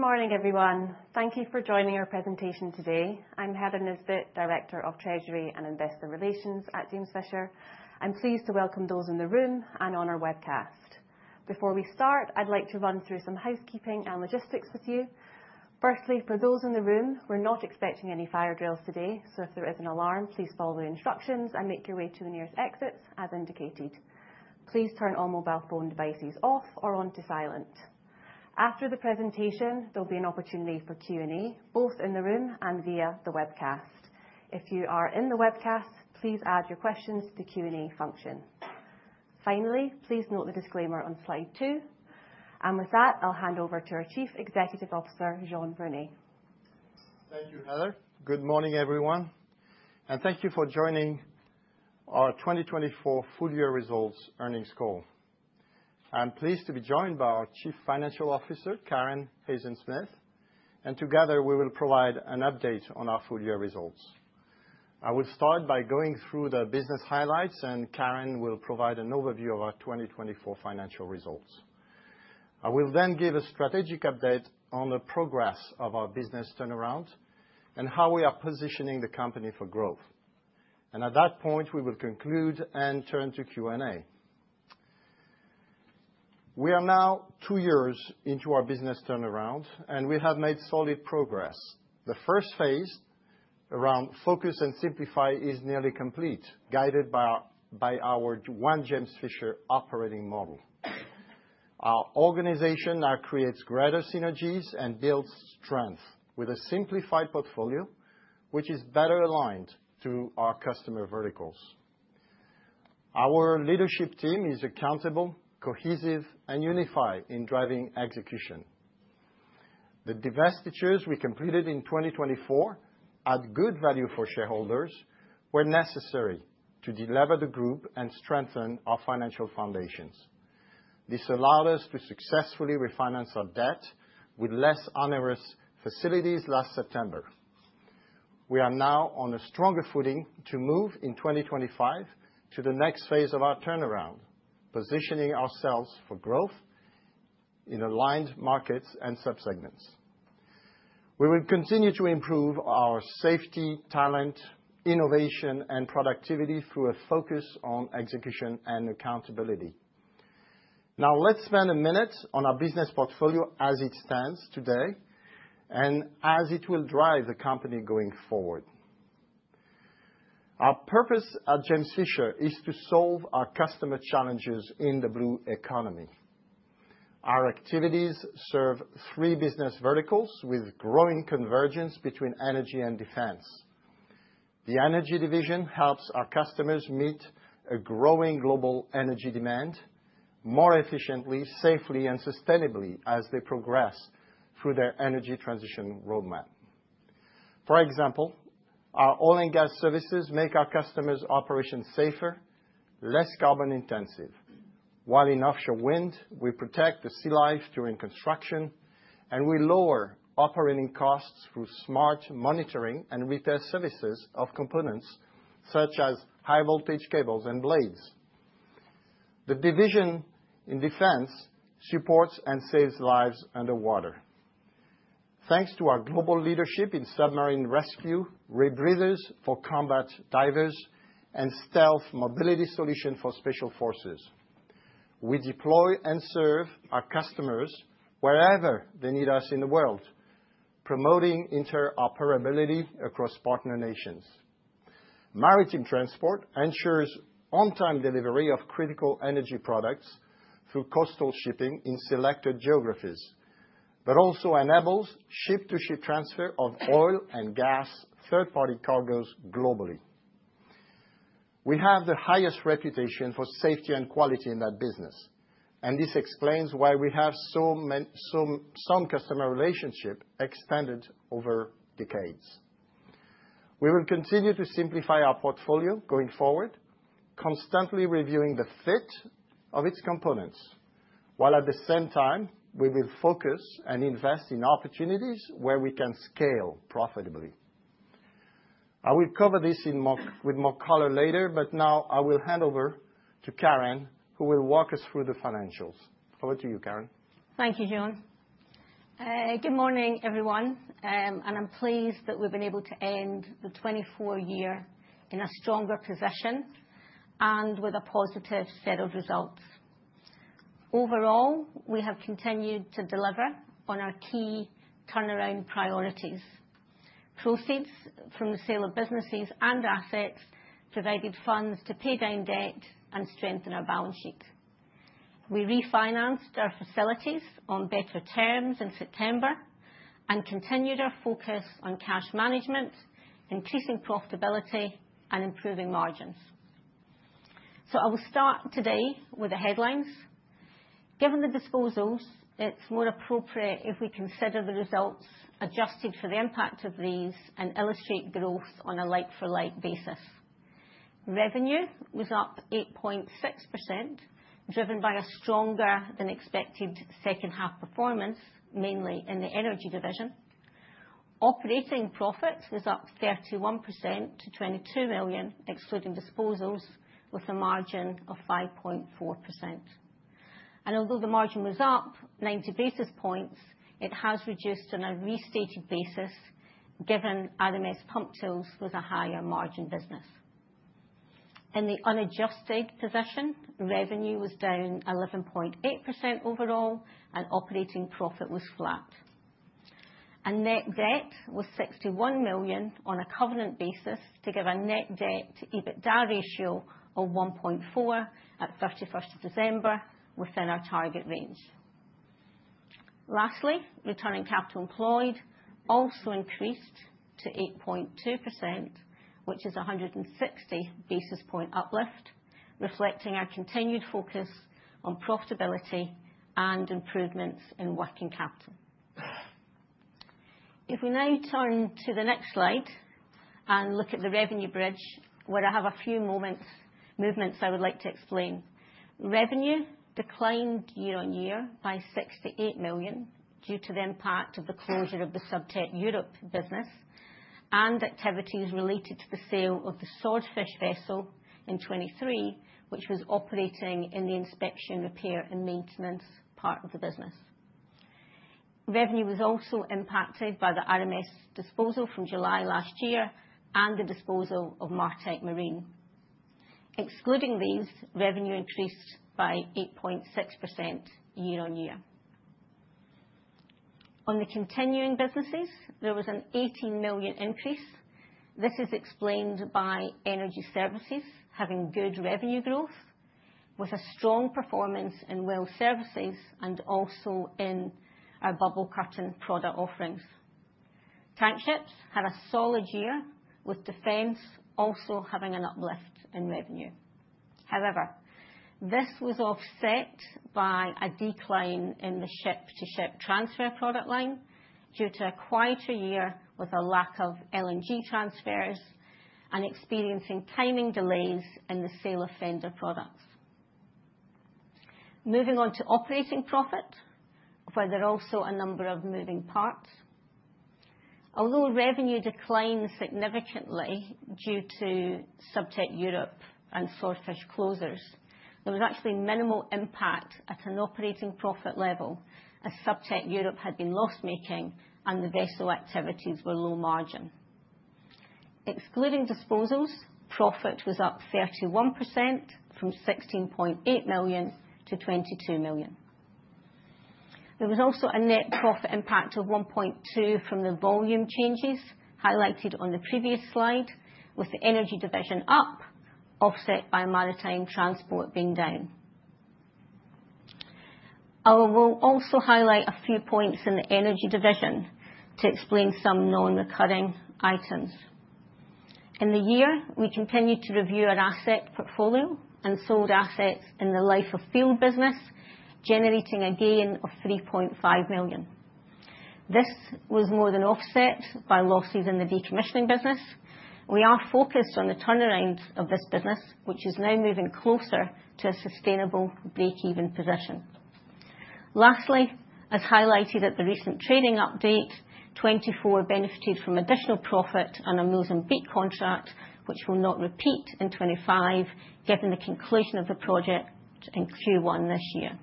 Good morning, everyone. Thank you for joining our presentation today. I'm Helen Nisbet, Director of Treasury and Investor Relations at James Fisher. I'm pleased to welcome those in the room and on our webcast. Before we start, I'd like to run through some housekeeping and logistics with you. Firstly, for those in the room, we're not expecting any fire drills today, so if there is an alarm, please follow the instructions and make your way to the nearest exits as indicated. Please turn all mobile phone devices off or on to silent. After the presentation, there'll be an opportunity for Q&A, both in the room and via the webcast. If you are in the webcast, please add your questions to the Q&A function. Finally, please note the disclaimer on slide two. And with that, I'll hand over to our Chief Executive Officer, Jean Vernet. Thank you, Helen. Good morning, everyone. And thank you for joining our 2024 full year results earnings call. I'm pleased to be joined by our Chief Financial Officer, Karen Hayzen-Smith, and together we will provide an update on our full year results. I will start by going through the business highlights, and Karen will provide an overview of our 2024 financial results. I will then give a strategic update on the progress of our business turnaround and how we are positioning the company for growth, and at that point, we will conclude and turn to Q&A. We are now two years into our business turnaround, and we have made solid progress. The first phase, around focus and simplify, is nearly complete, guided by our One James Fisher operating model. Our organization now creates greater synergies and builds strength with a simplified portfolio, which is better aligned to our customer verticals. Our leadership team is accountable, cohesive, and unified in driving execution. The divestitures we completed in 2024, at good value for shareholders, were necessary to deliver the group and strengthen our financial foundations. This allowed us to successfully refinance our debt with less onerous facilities last September. We are now on a stronger footing to move in 2025 to the next phase of our turnaround, positioning ourselves for growth in aligned markets and subsegments. We will continue to improve our safety, talent, innovation, and productivity through a focus on execution and accountability. Now, let's spend a minute on our business portfolio as it stands today and as it will drive the company going forward. Our purpose at James Fisher is to solve our customer challenges in the blue economy. Our activities serve three business verticals with growing convergence between energy and defense. The Energy division helps our customers meet a growing global energy demand more efficiently, safely, and sustainably as they progress through their energy transition roadmap. For example, our oil and gas services make our customers' operations safer, less carbon intensive, while in offshore wind, we protect the sea life during construction, and we lower operating costs through smart monitoring and repair services of components such as high voltage cables and blades. The division in Defence supports and saves lives underwater. Thanks to our global leadership in submarine rescue, rebreathers for combat divers, and stealth mobility solutions for special forces, we deploy and serve our customers wherever they need us in the world, promoting interoperability across partner nations. Maritime Transport ensures on-time delivery of critical energy products through coastal shipping in selected geographies, but also enables ship-to-ship transfer of oil and gas third-party cargoes globally. We have the highest reputation for safety and quality in that business, and this explains why we have some customer relationships expanded over decades. We will continue to simplify our portfolio going forward, constantly reviewing the fit of its components, while at the same time, we will focus and invest in opportunities where we can scale profitably. I will cover this with more color later, but now I will hand over to Karen, who will walk us through the financials. Over to you, Karen. Thank you, Jean. Good morning, everyone. I'm pleased that we've been able to end the 2024 year in a stronger position and with a positive set of results. Overall, we have continued to deliver on our key turnaround priorities. Proceeds from the sale of businesses and assets provided funds to pay down debt and strengthen our balance sheet. We refinanced our facilities on better terms in September and continued our focus on cash management, increasing profitability, and improving margins. I will start today with the headlines. Given the disposals, it's more appropriate if we consider the results adjusted for the impact of these and illustrate growth on a like-for-like basis. Revenue was up 8.6%, driven by a stronger than expected second half performance, mainly in the Energy division. Operating profit was up 31% to 22 million, excluding disposals, with a margin of 5.4%. Although the margin was up 90 basis points, it has reduced on a restated basis, given RMS Pumptools was a higher margin business. In the unadjusted position, revenue was down 11.8% overall, and operating profit was flat. Net debt was 61 million on a covenant basis to give a net debt to EBITDA ratio of 1.4 at 31st of December, within our target range. Lastly, Return on Capital Employed also increased to 8.2%, which is a 160 basis point uplift, reflecting our continued focus on profitability and improvements in working capital. If we now turn to the next slide and look at the revenue bridge, where I have a few movements I would like to explain. Revenue declined year-on-year by 68 million due to the impact of the closure of the Subtech Europe business and activities related to the sale of the Swordfish vessel in 2023, which was operating in the Inspection, Repair, and Maintenance part of the business. Revenue was also impacted by the RMS disposal from July last year and the disposal of Martek Marine. Excluding these, revenue increased by 8.6% year-on-year. On the continuing businesses, there was an 18 million increase. This is explained by Energy Services having good revenue growth, with a strong performance in Well Services and also in our Bubble Curtain product offerings. Tankships had a solid year, with defense also having an uplift in revenue. However, this was offset by a decline in the ship-to-ship transfer product line due to a quieter year with a lack of LNG transfers and experiencing timing delays in the sale of fender products. Moving on to operating profit, where there are also a number of moving parts. Although revenue declined significantly due to Subtech Europe and Swordfish closures, there was actually minimal impact at an operating profit level as Subtech Europe had been loss-making and the vessel activities were low margin. Excluding disposals, profit was up 31% from 16.8 million to 22 million. There was also a net profit impact of 1.2 million from the volume changes highlighted on the previous slide, with the Energy division up, offset by Maritime Transport being down. I will also highlight a few points in the Energy division to explain some non-recurring items. In the year, we continued to review our asset portfolio and sold assets in the Life of Field business, generating a gain of 3.5 million. This was more than offset by losses in the decommissioning business. We are focused on the turnaround of this business, which is now moving closer to a sustainable break-even position. Lastly, as highlighted at the recent trading update, 2024 benefited from additional profit on a Mozambique contract, which will not repeat in 2025, given the conclusion of the project in Q1 this year.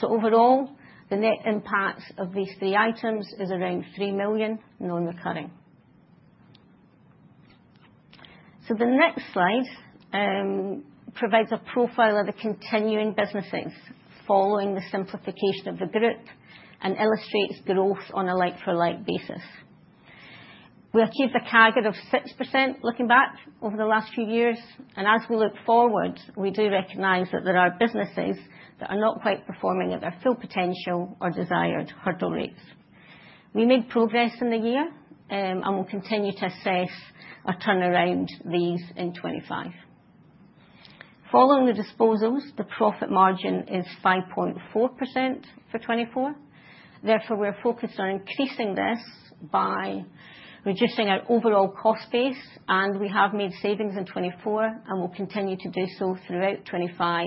So overall, the net impact of these three items is around 3 million, non-recurring. So the next slide provides a profile of the continuing businesses following the simplification of the group and illustrates growth on a like-for-like basis. We achieved a target of 6% looking back over the last few years, and as we look forward, we do recognize that there are businesses that are not quite performing at their full potential or desired hurdle rates. We made progress in the year and will continue to assess our turnaround of these in 2025. Following the disposals, the profit margin is 5.4% for 2024. Therefore, we're focused on increasing this by reducing our overall cost base, and we have made savings in 2024 and will continue to do so throughout 2025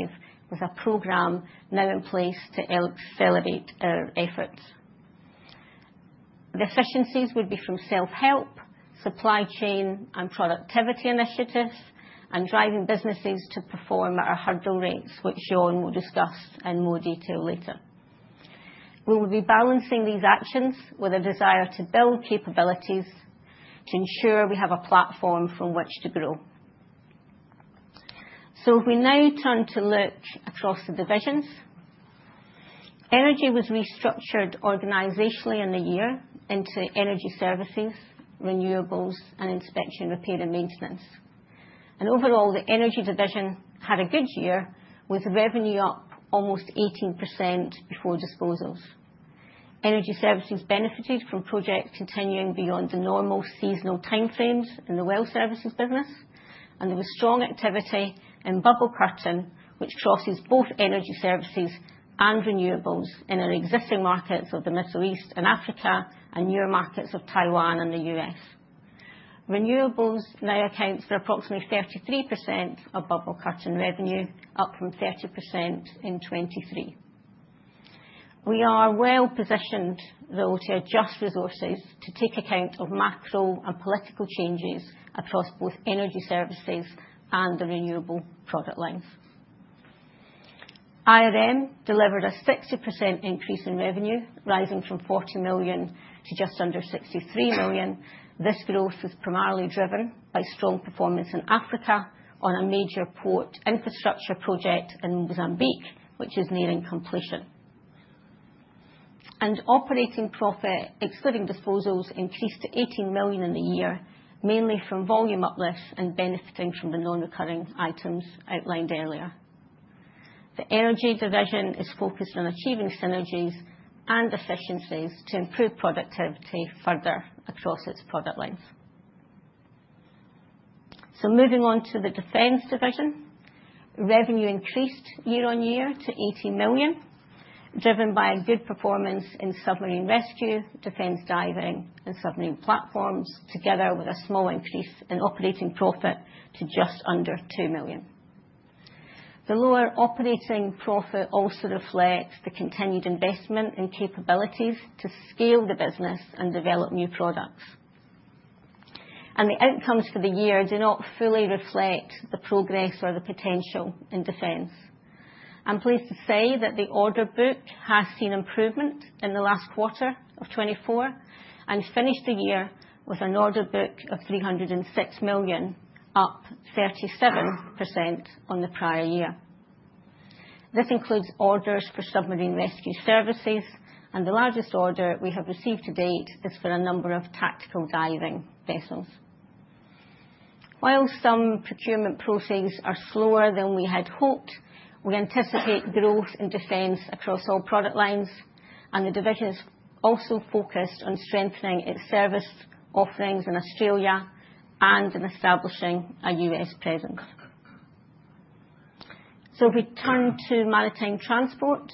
with a program now in place to accelerate our efforts. The efficiencies would be from self-help, supply chain and productivity initiatives, and driving businesses to perform at our hurdle rates, which Jean will discuss in more detail later. We will be balancing these actions with a desire to build capabilities to ensure we have a platform from which to grow, so if we now turn to look across the divisions, energy was restructured organizationally in the year into Energy Services, Renewables, and Inspection, Repair, and Maintenance, and overall, the Energy division had a good year with revenue up almost 18% before disposals. Energy Services benefited from projects continuing beyond the normal seasonal timeframes in the Well Services business, and there was strong activity in Bubble Curtain, which crosses both Energy Services and Renewables in our existing markets of the Middle East and Africa and newer markets of Taiwan and the U.S. Renewables now accounts for approximately 33% of Bubble Curtain revenue, up from 30% in 2023. We are well positioned, though, to adjust resources to take account of macro and political changes across both Energy Services and the renewable product lines. IRM delivered a 60% increase in revenue, rising from 40 million to just under 63 million. This growth was primarily driven by strong performance in Africa on a major port infrastructure project in Mozambique, which is nearing completion, and operating profit, excluding disposals, increased to 18 million in the year, mainly from volume uplift and benefiting from the non-recurring items outlined earlier. The Energy division is focused on achieving synergies and efficiencies to improve productivity further across its product lines, so moving on to the Defence division, revenue increased year-on-year to 18 million, driven by a good performance in submarine rescue, defense diving, and submarine platforms, together with a small increase in operating profit to just under 2 million. The lower operating profit also reflects the continued investment in capabilities to scale the business and develop new products. And the outcomes for the year do not fully reflect the progress or the potential in defense. I'm pleased to say that the order book has seen improvement in the last quarter of 2024 and finished the year with an order book of 306 million, up 37% on the prior year. This includes orders for submarine rescue services, and the largest order we have received to date is for a number of tactical diving vessels. While some procurement processes are slower than we had hoped, we anticipate growth in defense across all product lines, and the division is also focused on strengthening its service offerings in Australia and in establishing a U.S. presence. So if we turn to Maritime Transport,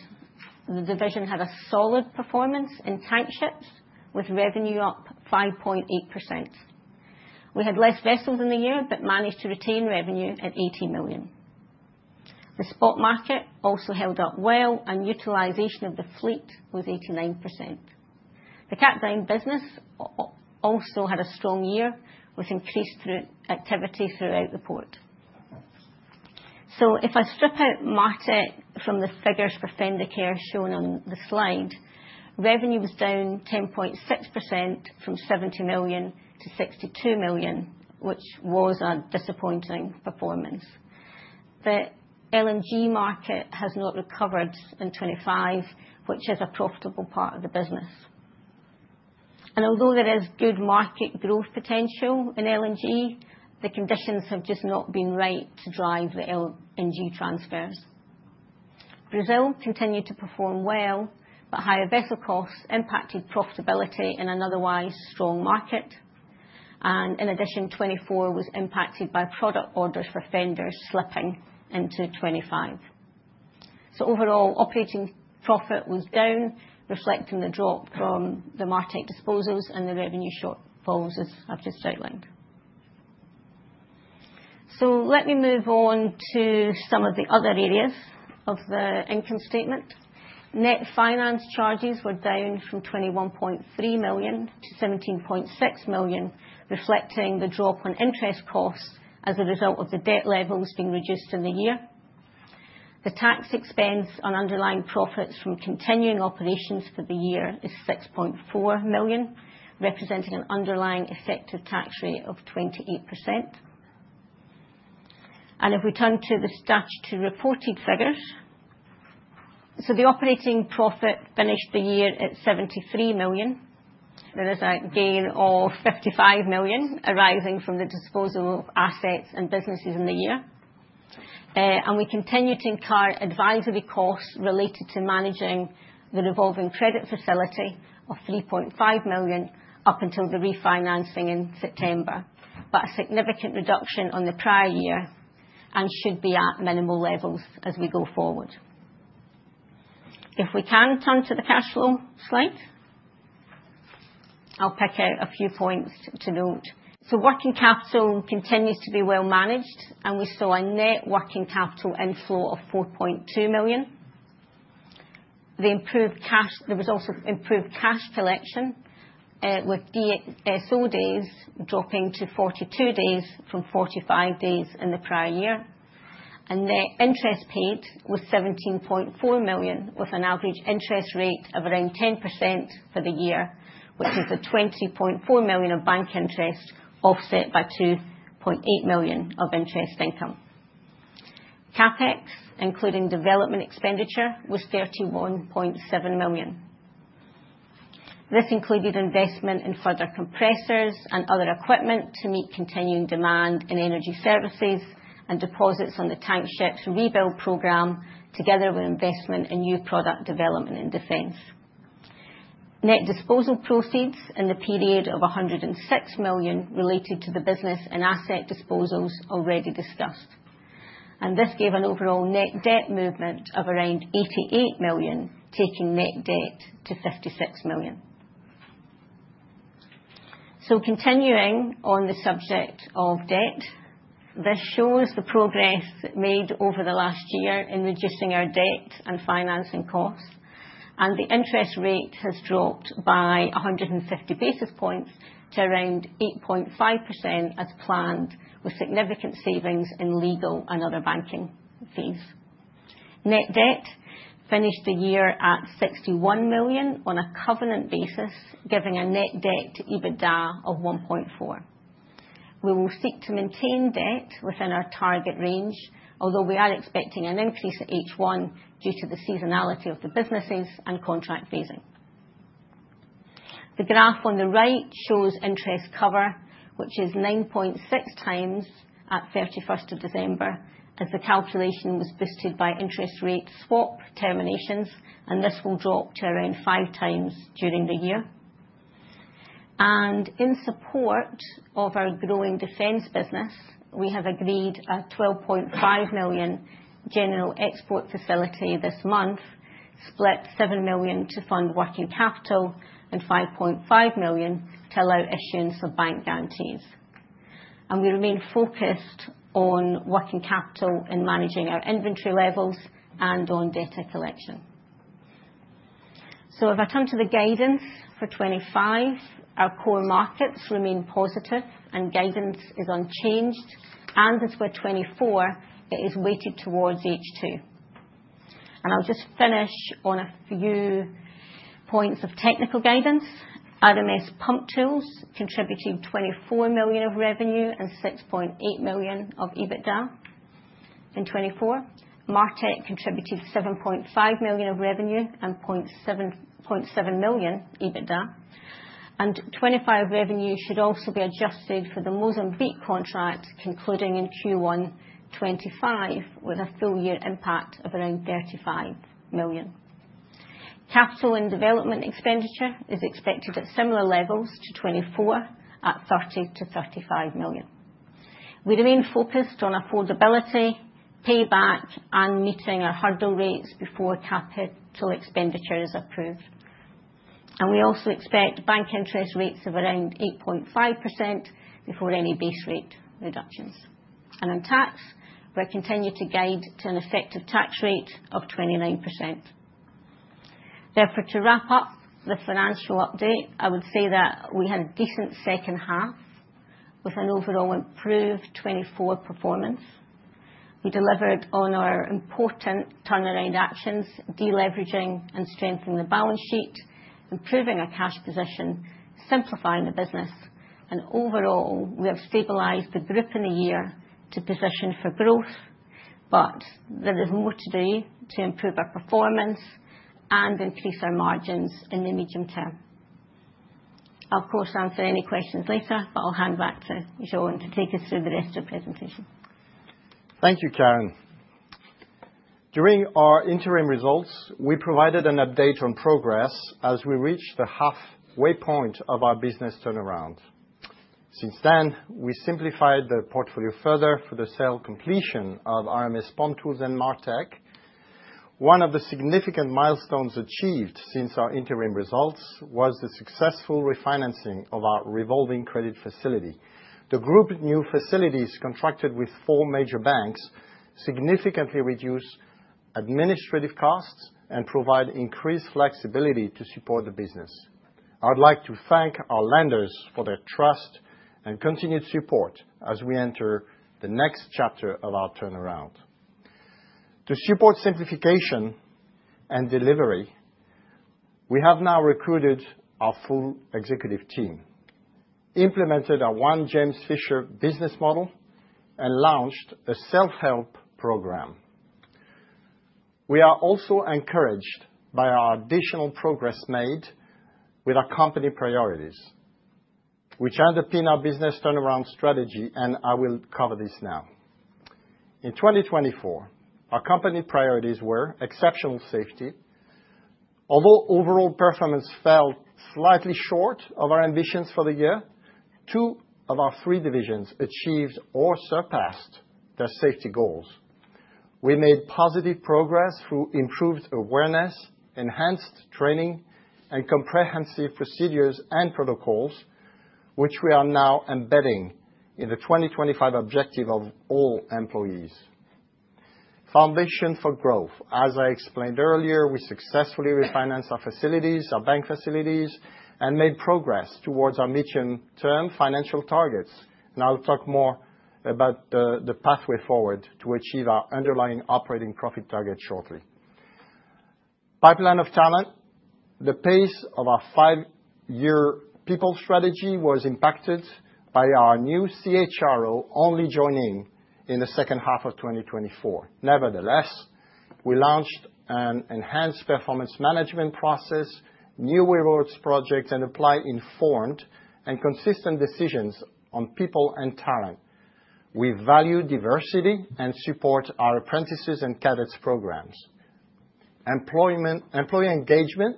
the division had a solid performance in Tankships with revenue up 5.8%. We had less vessels in the year, but managed to retain revenue at 18 million. The spot market also held up well, and utilization of the fleet was 89%. The Cape Town business also had a strong year, with increased activity throughout the port. So if I strip out Martek from the figures for Fendercare shown on the slide, revenue was down 10.6% from 70 million to 62 million, which was a disappointing performance. The LNG market has not recovered in 2025, which is a profitable part of the business. And although there is good market growth potential in LNG, the conditions have just not been right to drive the LNG transfers. Brazil continued to perform well, but higher vessel costs impacted profitability in an otherwise strong market. In addition, 2024 was impacted by product orders for fenders slipping into 2025. So overall, operating profit was down, reflecting the drop from the Martek disposals and the revenue shortfalls as I've just outlined. So let me move on to some of the other areas of the income statement. Net finance charges were down from 21.3 million to 17.6 million, reflecting the drop in interest costs as a result of the debt levels being reduced in the year. The tax expense on underlying profits from continuing operations for the year is 6.4 million, representing an underlying effective tax rate of 28%. If we turn to the statutory reported figures, the operating profit finished the year at 73 million. There is a gain of 55 million arising from the disposal of assets and businesses in the year. We continue to incur advisory costs related to managing the revolving credit facility of 3.5 million up until the refinancing in September, but a significant reduction on the prior year and should be at minimal levels as we go forward. If we can turn to the cash flow slide, I'll pick out a few points to note. Working capital continues to be well managed, and we saw a net working capital inflow of 4.2 million. There was also improved cash collection, with DSO days dropping to 42 days from 45 days in the prior year. The interest paid was 17.4 million, with an average interest rate of around 10% for the year, which is a 20.4 million of bank interest offset by 2.8 million of interest income. CapEx, including development expenditure, was 31.7 million. This included investment in further compressors and other equipment to meet continuing demand in Energy Services and deposits on the Tankships rebuild program, together with investment in new product development in defense. Net disposal proceeds in the period of 106 million related to the business and asset disposals already discussed. And this gave an overall net debt movement of around 88 million, taking net debt to 56 million. So continuing on the subject of debt, this shows the progress made over the last year in reducing our debt and financing costs, and the interest rate has dropped by 150 basis points to around 8.5% as planned, with significant savings in legal and other banking fees. Net debt finished the year at 61 million on a covenant basis, giving a net debt to EBITDA of 1.4. We will seek to maintain debt within our target range, although we are expecting an increase at H1 due to the seasonality of the businesses and contract phasing. The graph on the right shows interest cover, which is 9.6 times at 31st of December, as the calculation was boosted by interest rate swap terminations, and this will drop to around five times during the year. And in support of our growing defense business, we have agreed a 12.5 million general export facility this month, split 7 million to fund working capital and 5.5 million to allow issuance of bank guarantees. And we remain focused on working capital in managing our inventory levels and on data collection. So if I turn to the guidance for 2025, our core markets remain positive and guidance is unchanged, and as for 2024, it is weighted towards H2. I'll just finish on a few points of technical guidance. RMS Pumptools contributed 24 million of revenue and 6.8 million of EBITDA in 2024. Martek contributed 7.5 million of revenue and 0.7 million EBITDA. 2025 revenue should also be adjusted for the Mozambique contract concluding in Q1 2025, with a full year impact of around 35 million. Capital and development expenditure is expected at similar levels to 2024 at 30 million-35 million. We remain focused on affordability, payback, and meeting our hurdle rates before capital expenditure is approved. We also expect bank interest rates of around 8.5% before any base rate reductions. On tax, we're continuing to guide to an effective tax rate of 29%. Therefore, to wrap up the financial update, I would say that we had a decent second half with an overall improved 2024 performance. We delivered on our important turnaround actions, deleveraging and strengthening the balance sheet, improving our cash position, simplifying the business, and overall, we have stabilized the group in the year to position for growth, but there is more to do to improve our performance and increase our margins in the medium term. I'll, of course, answer any questions later, but I'll hand back to Jean to take us through the rest of the presentation. Thank you, Karen. During our interim results, we provided an update on progress as we reached the halfway point of our business turnaround. Since then, we simplified the portfolio further for the sale completion of RMS Pumptools and Martek. One of the significant milestones achieved since our interim results was the successful refinancing of our revolving credit facility. The group's new facilities contracted with four major banks significantly reduce administrative costs and provide increased flexibility to support the business. I'd like to thank our lenders for their trust and continued support as we enter the next chapter of our turnaround. To support simplification and delivery, we have now recruited our full executive team, implemented our One James Fisher business model, and launched a self-help program. We are also encouraged by our additional progress made with our company priorities, which underpin our business turnaround strategy, and I will cover this now. In 2024, our company priorities were exceptional safety. Although overall performance fell slightly short of our ambitions for the year, two of our three divisions achieved or surpassed their safety goals. We made positive progress through improved awareness, enhanced training, and comprehensive procedures and protocols, which we are now embedding in the 2025 objective of all employees. Foundation for growth. As I explained earlier, we successfully refinanced our facilities, our bank facilities, and made progress towards our medium-term financial targets. And I'll talk more about the pathway forward to achieve our Underlying Operating Profit target shortly. Pipeline of talent. The pace of our five-year people strategy was impacted by our new CHRO only joining in the second half of 2024. Nevertheless, we launched an enhanced performance management process, new rewards projects, and apply informed and consistent decisions on people and talent. We value diversity and support our apprentices and cadets programs. Employee engagement.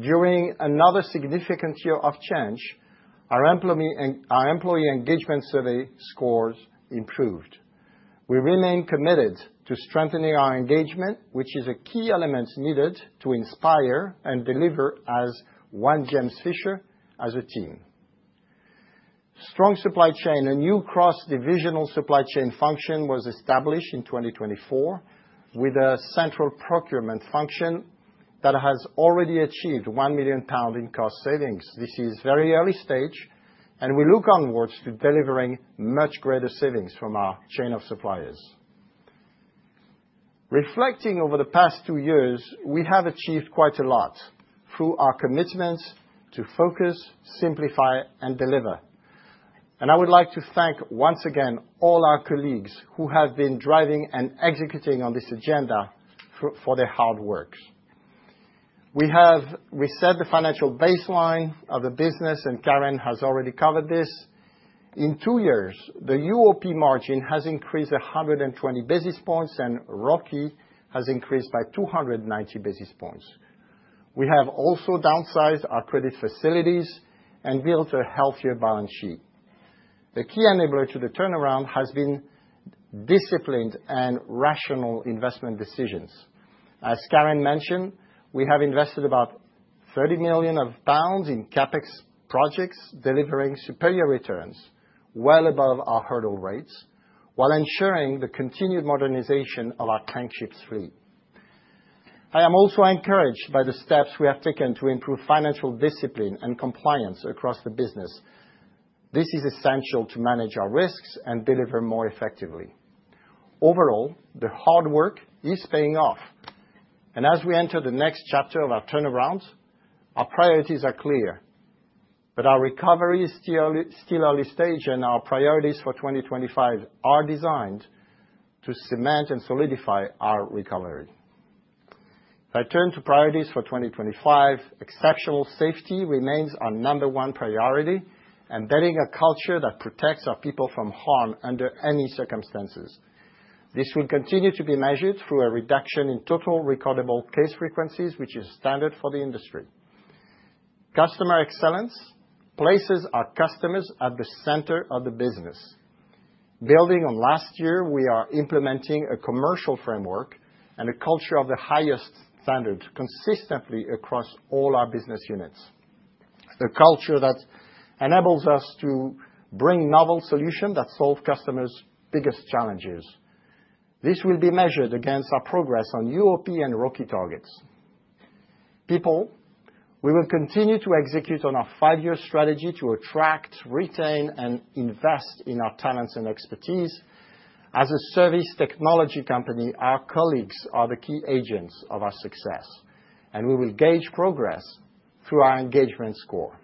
During another significant year of change, our employee engagement survey scores improved. We remain committed to strengthening our engagement, which is a key element needed to inspire and deliver as One James Fisher as a team. Strong supply chain, a new cross-divisional supply chain function was established in 2024 with a central procurement function that has already achieved 1 million pound in cost savings. This is very early stage, and we look forward to delivering much greater savings from our supply chain. Reflecting over the past two years, we have achieved quite a lot through our commitments to focus, simplify, and deliver. I would like to thank once again all our colleagues who have been driving and executing on this agenda for their hard work. We have reset the financial baseline of the business, and Karen has already covered this. In two years, the UOP margin has increased 120 basis points, and ROCE has increased by 290 basis points. We have also downsized our credit facilities and built a healthier balance sheet. The key enabler to the turnaround has been disciplined and rational investment decisions. As Karen mentioned, we have invested about 30 million pounds in CapEx projects, delivering superior returns well above our hurdle rates while ensuring the continued modernization of our Tankships fleet. I am also encouraged by the steps we have taken to improve financial discipline and compliance across the business. This is essential to manage our risks and deliver more effectively. Overall, the hard work is paying off, and as we enter the next chapter of our turnaround, our priorities are clear, but our recovery is still early stage, and our priorities for 2025 are designed to cement and solidify our recovery. If I turn to priorities for 2025, exceptional safety remains our number one priority, embedding a culture that protects our people from harm under any circumstances. This will continue to be measured through a reduction in total recordable case frequencies, which is standard for the industry. Customer excellence places our customers at the center of the business. Building on last year, we are implementing a commercial framework and a culture of the highest standard consistently across all our business units. A culture that enables us to bring novel solutions that solve customers' biggest challenges. This will be measured against our progress on UOP and ROCE targets. People, we will continue to execute on our five-year strategy to attract, retain, and invest in our talents and expertise. As a service technology company, our colleagues are the key agents of our success, and we will gauge progress through our engagement score.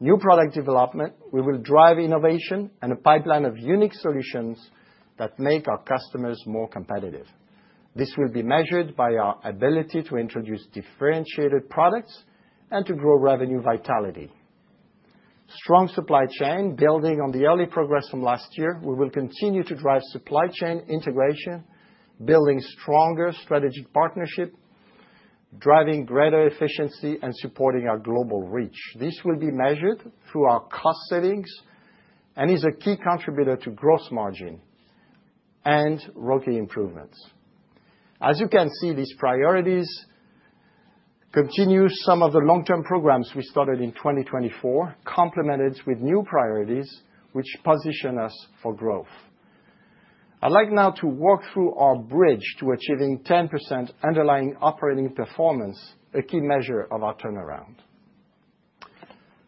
New product development, we will drive innovation and a pipeline of unique solutions that make our customers more competitive. This will be measured by our ability to introduce differentiated products and to grow revenue vitality. Strong supply chain, building on the early progress from last year, we will continue to drive supply chain integration, building stronger strategic partnerships, driving greater efficiency, and supporting our global reach. This will be measured through our cost savings and is a key contributor to gross margin and ROCE improvements. As you can see, these priorities continue some of the long-term programs we started in 2024, complemented with new priorities which position us for growth. I'd like now to walk through our bridge to achieving 10% underlying operating performance, a key measure of our turnaround.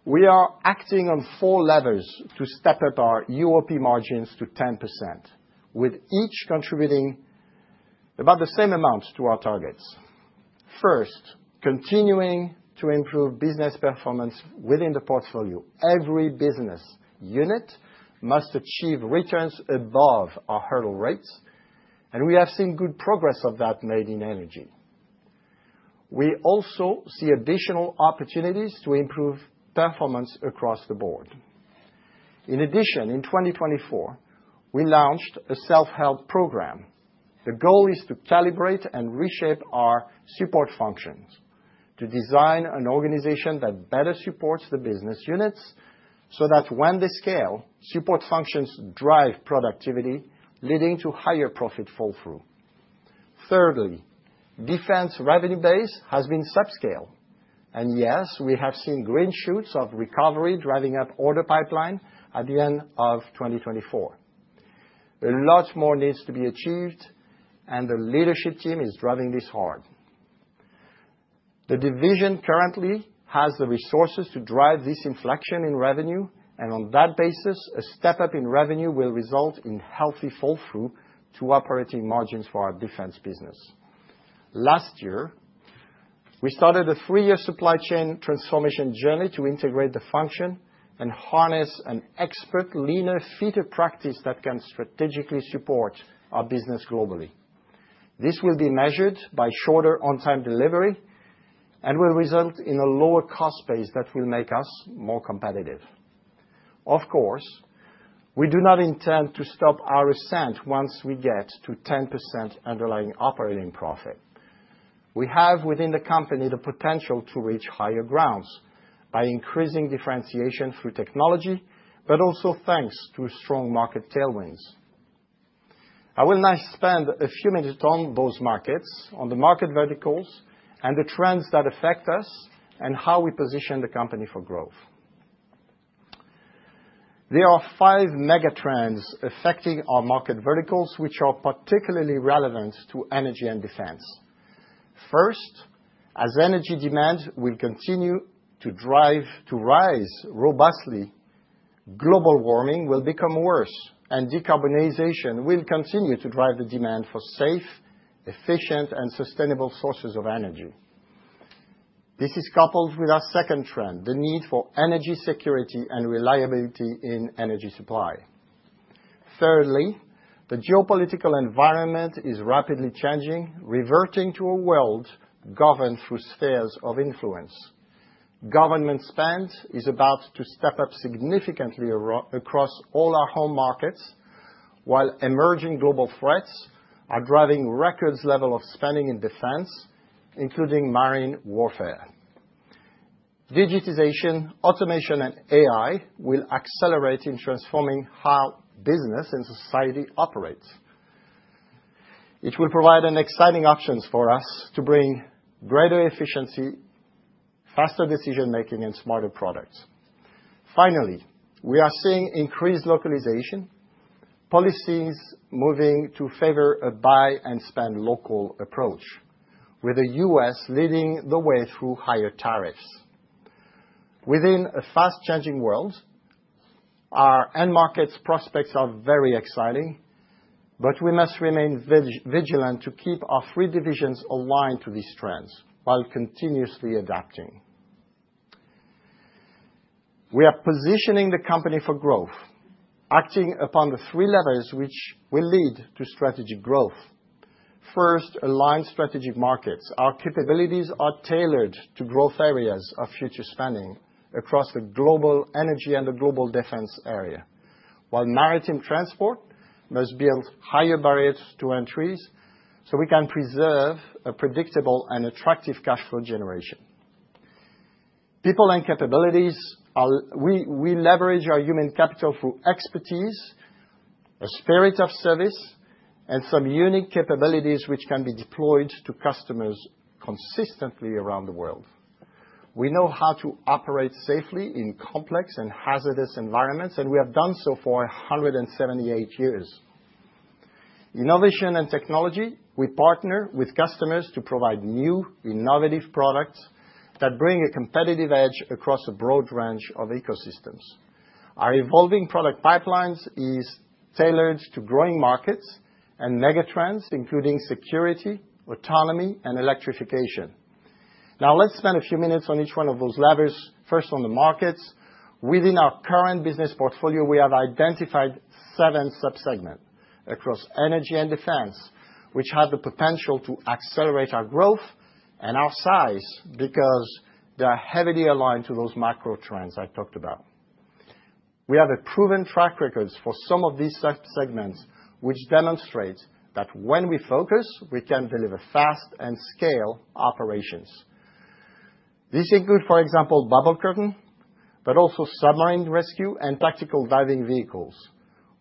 We are acting on four levers to step up our UOP margins to 10%, with each contributing about the same amount to our targets. First, continuing to improve business performance within the portfolio. Every business unit must achieve returns above our hurdle rates, and we have seen good progress of that made in energy. We also see additional opportunities to improve performance across the board. In addition, in 2024, we launched a self-help program. The goal is to calibrate and reshape our support functions to design an organization that better supports the business units so that when they scale, support functions drive productivity, leading to higher profit fall-through. Thirdly, defense revenue base has been subscale, and yes, we have seen green shoots of recovery driving up order pipeline at the end of 2024. A lot more needs to be achieved, and the leadership team is driving this hard. The division currently has the resources to drive this inflection in revenue, and on that basis, a step up in revenue will result in healthy fall-through to operating margins for our defense business. Last year, we started a three-year supply chain transformation journey to integrate the function and harness an expert leaner future practice that can strategically support our business globally. This will be measured by shorter on-time delivery and will result in a lower cost base that will make us more competitive. Of course, we do not intend to stop our ascent once we get to 10% underlying operating profit. We have within the company the potential to reach higher grounds by increasing differentiation through technology, but also thanks to strong market tailwinds. I will now spend a few minutes on those markets, on the market verticals and the trends that affect us and how we position the company for growth. There are five mega trends affecting our market verticals, which are particularly relevant to energy and defense. First, as energy demand will continue to drive to rise robustly, global warming will become worse, and decarbonization will continue to drive the demand for safe, efficient, and sustainable sources of energy. This is coupled with our second trend, the need for energy security and reliability in energy supply. Thirdly, the geopolitical environment is rapidly changing, reverting to a world governed through spheres of influence. Government spending is about to step up significantly across all our home markets, while emerging global threats are driving record levels of spending in defense, including marine warfare. Digitization, automation, and AI will accelerate in transforming how business and society operates. It will provide exciting options for us to bring greater efficiency, faster decision-making, and smarter products. Finally, we are seeing increased localization, policies moving to favor a buy-and-spend local approach, with the U.S. leading the way through higher tariffs. Within a fast-changing world, our end markets prospects are very exciting, but we must remain vigilant to keep our three divisions aligned to these trends while continuously adapting. We are positioning the company for growth, acting upon the three levers which will lead to strategic growth. First, aligned strategic markets. Our capabilities are tailored to growth areas of future spending across the global energy and the global defense area, while Maritime Transport must build higher barriers to entry so we can preserve a predictable and attractive cash flow generation. People and capabilities. We leverage our human capital through expertise, a spirit of service, and some unique capabilities which can be deployed to customers consistently around the world. We know how to operate safely in complex and hazardous environments, and we have done so for 178 years. Innovation and technology. We partner with customers to provide new innovative products that bring a competitive edge across a broad range of ecosystems. Our evolving product pipelines are tailored to growing markets and mega trends, including security, autonomy, and electrification. Now, let's spend a few minutes on each one of those levers. First, on the markets. Within our current business portfolio, we have identified seven subsegments across energy and defense, which have the potential to accelerate our growth and our size because they are heavily aligned to those macro trends I talked about. We have proven track records for some of these subsegments, which demonstrate that when we focus, we can deliver fast and scale operations. This includes, for example, Bubble Curtain, but also submarine rescue and tactical diving vehicles,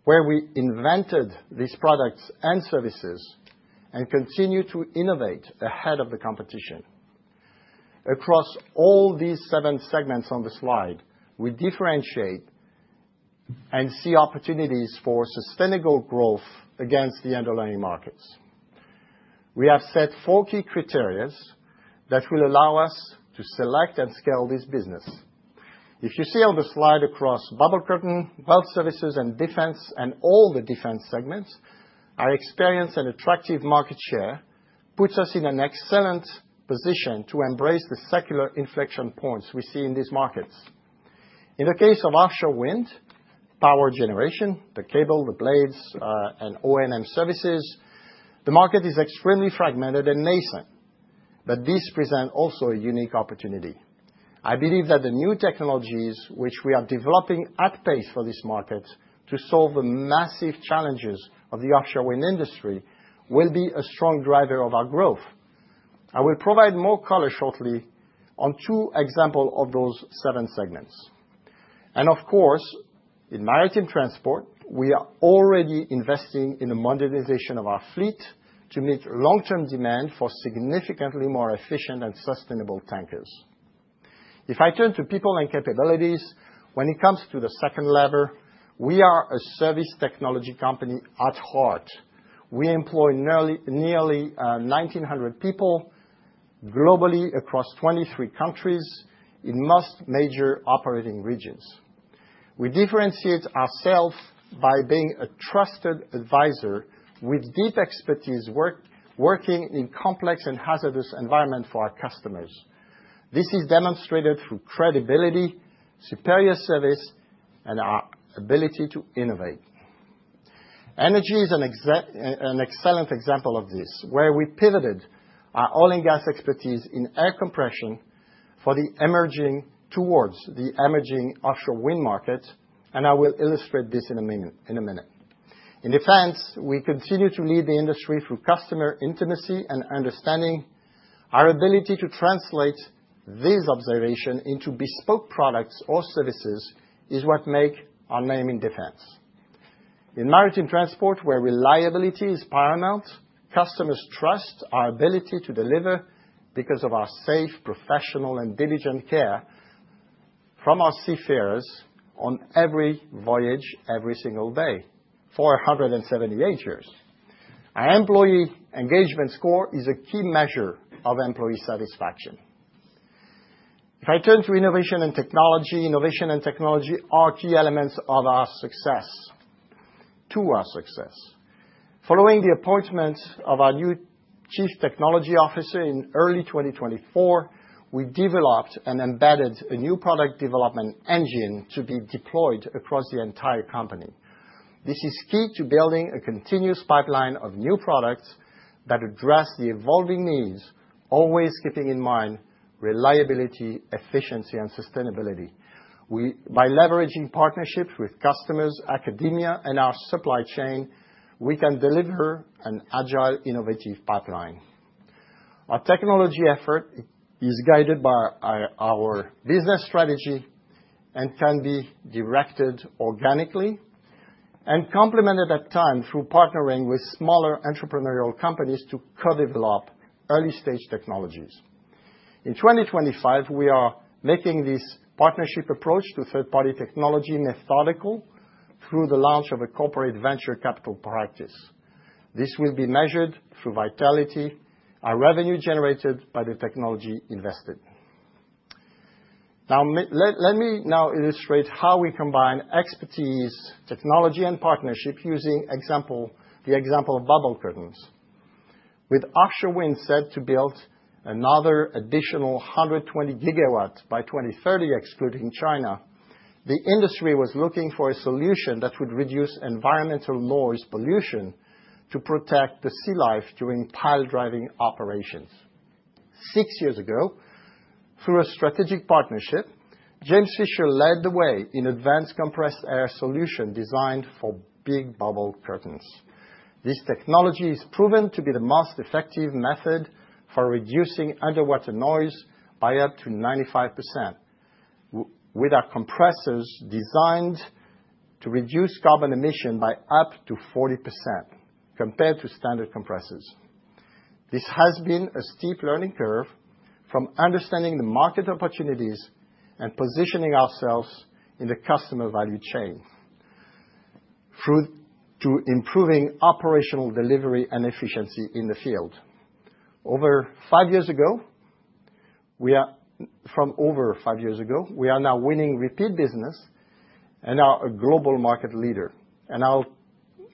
where we invented these products and services and continue to innovate ahead of the competition. Across all these seven segments on the slide, we differentiate and see opportunities for sustainable growth against the underlying markets. We have set four key criteria that will allow us to select and scale this business. If you see on the slide across Bubble Curtain, Well Services, and Defence, and all the defence segments, our experience and attractive market share puts us in an excellent position to embrace the secular inflection points we see in these markets. In the case of offshore wind, power generation, the cable, the blades, and O&M services, the market is extremely fragmented and nascent, but these present also a unique opportunity. I believe that the new technologies which we are developing at pace for this market to solve the massive challenges of the offshore wind industry will be a strong driver of our growth. I will provide more color shortly on two examples of those seven segments. Of course, in Maritime Transport, we are already investing in the modernization of our fleet to meet long-term demand for significantly more efficient and sustainable tankers. If I turn to people and capabilities, when it comes to the second lever, we are a service technology company at heart. We employ nearly 1,900 people globally across 23 countries in most major operating regions. We differentiate ourselves by being a trusted advisor with deep expertise working in complex and hazardous environments for our customers. This is demonstrated through credibility, superior service, and our ability to innovate. Energy is an excellent example of this, where we pivoted our oil and gas expertise in air compression for the emerging offshore wind market, and I will illustrate this in a minute. In defense, we continue to lead the industry through customer intimacy and understanding. Our ability to translate this observation into bespoke products or services is what makes our name in defense. In Maritime Transport, where reliability is paramount, customers trust our ability to deliver because of our safe, professional, and diligent care from our seafarers on every voyage every single day for 178 years. Our employee engagement score is a key measure of employee satisfaction. If I turn to innovation and technology, innovation and technology are key elements of our success to our success. Following the appointment of our new Chief Technology Officer in early 2024, we developed and embedded a new product development engine to be deployed across the entire company. This is key to building a continuous pipeline of new products that address the evolving needs, always keeping in mind reliability, efficiency, and sustainability. By leveraging partnerships with customers, academia, and our supply chain, we can deliver an agile, innovative pipeline. Our technology effort is guided by our business strategy and can be directed organically and complemented at times through partnering with smaller entrepreneurial companies to co-develop early-stage technologies. In 2025, we are making this partnership approach to third-party technology methodical through the launch of a corporate venture capital practice. This will be measured through vitality, our revenue generated by the technology invested. Now, let me illustrate how we combine expertise, technology, and partnership using the example of bubble curtains. With offshore wind set to build another additional 120 gigawatts by 2030, excluding China, the industry was looking for a solution that would reduce environmental noise pollution to protect the sea life during pile-driving operations. Six years ago, through a strategic partnership, James Fisher led the way in advanced compressed air solution designed for Big Bubble Curtains. This technology is proven to be the most effective method for reducing underwater noise by up to 95%, with our compressors designed to reduce carbon emission by up to 40% compared to standard compressors. This has been a steep learning curve from understanding the market opportunities and positioning ourselves in the customer value chain through improving operational delivery and efficiency in the field. Over five years ago, we are now winning repeat business and are a global market leader. I'll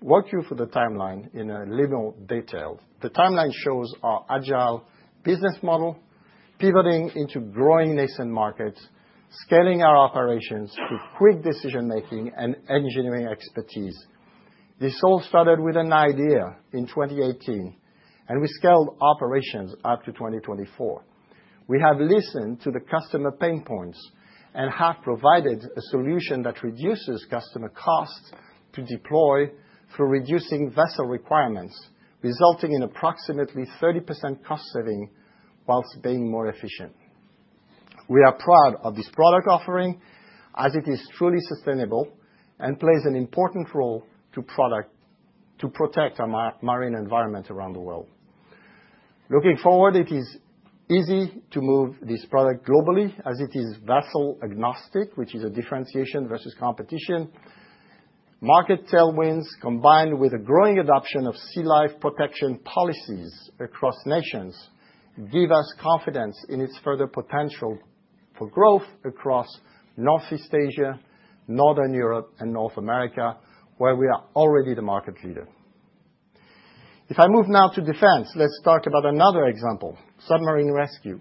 walk you through the timeline in a little more detail. The timeline shows our agile business model pivoting into growing nascent markets, scaling our operations through quick decision-making and engineering expertise. This all started with an idea in 2018, and we scaled operations up to 2024. We have listened to the customer pain points and have provided a solution that reduces customer costs to deploy through reducing vessel requirements, resulting in approximately 30% cost saving while being more efficient. We are proud of this product offering as it is truly sustainable and plays an important role to protect our marine environment around the world. Looking forward, it is easy to move this product globally as it is vessel-agnostic, which is a differentiation versus competition. Market tailwinds combined with a growing adoption of sea life protection policies across nations give us confidence in its further potential for growth across Northeast Asia, Northern Europe, and North America, where we are already the market leader. If I move now to defense, let's talk about another example, submarine rescue.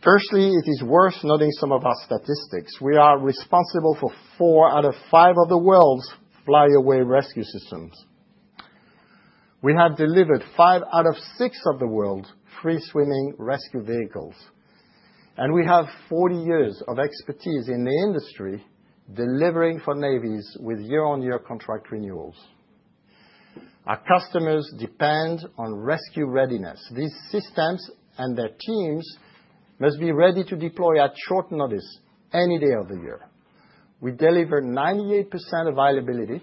Firstly, it is worth noting some of our statistics. We are responsible for four out of five of the world's fly-away rescue systems. We have delivered five out of six of the world's free-swimming rescue vehicles, and we have 40 years of expertise in the industry delivering for navies with year-on-year contract renewals. Our customers depend on rescue readiness. These systems and their teams must be ready to deploy at short notice any day of the year. We deliver 98% availability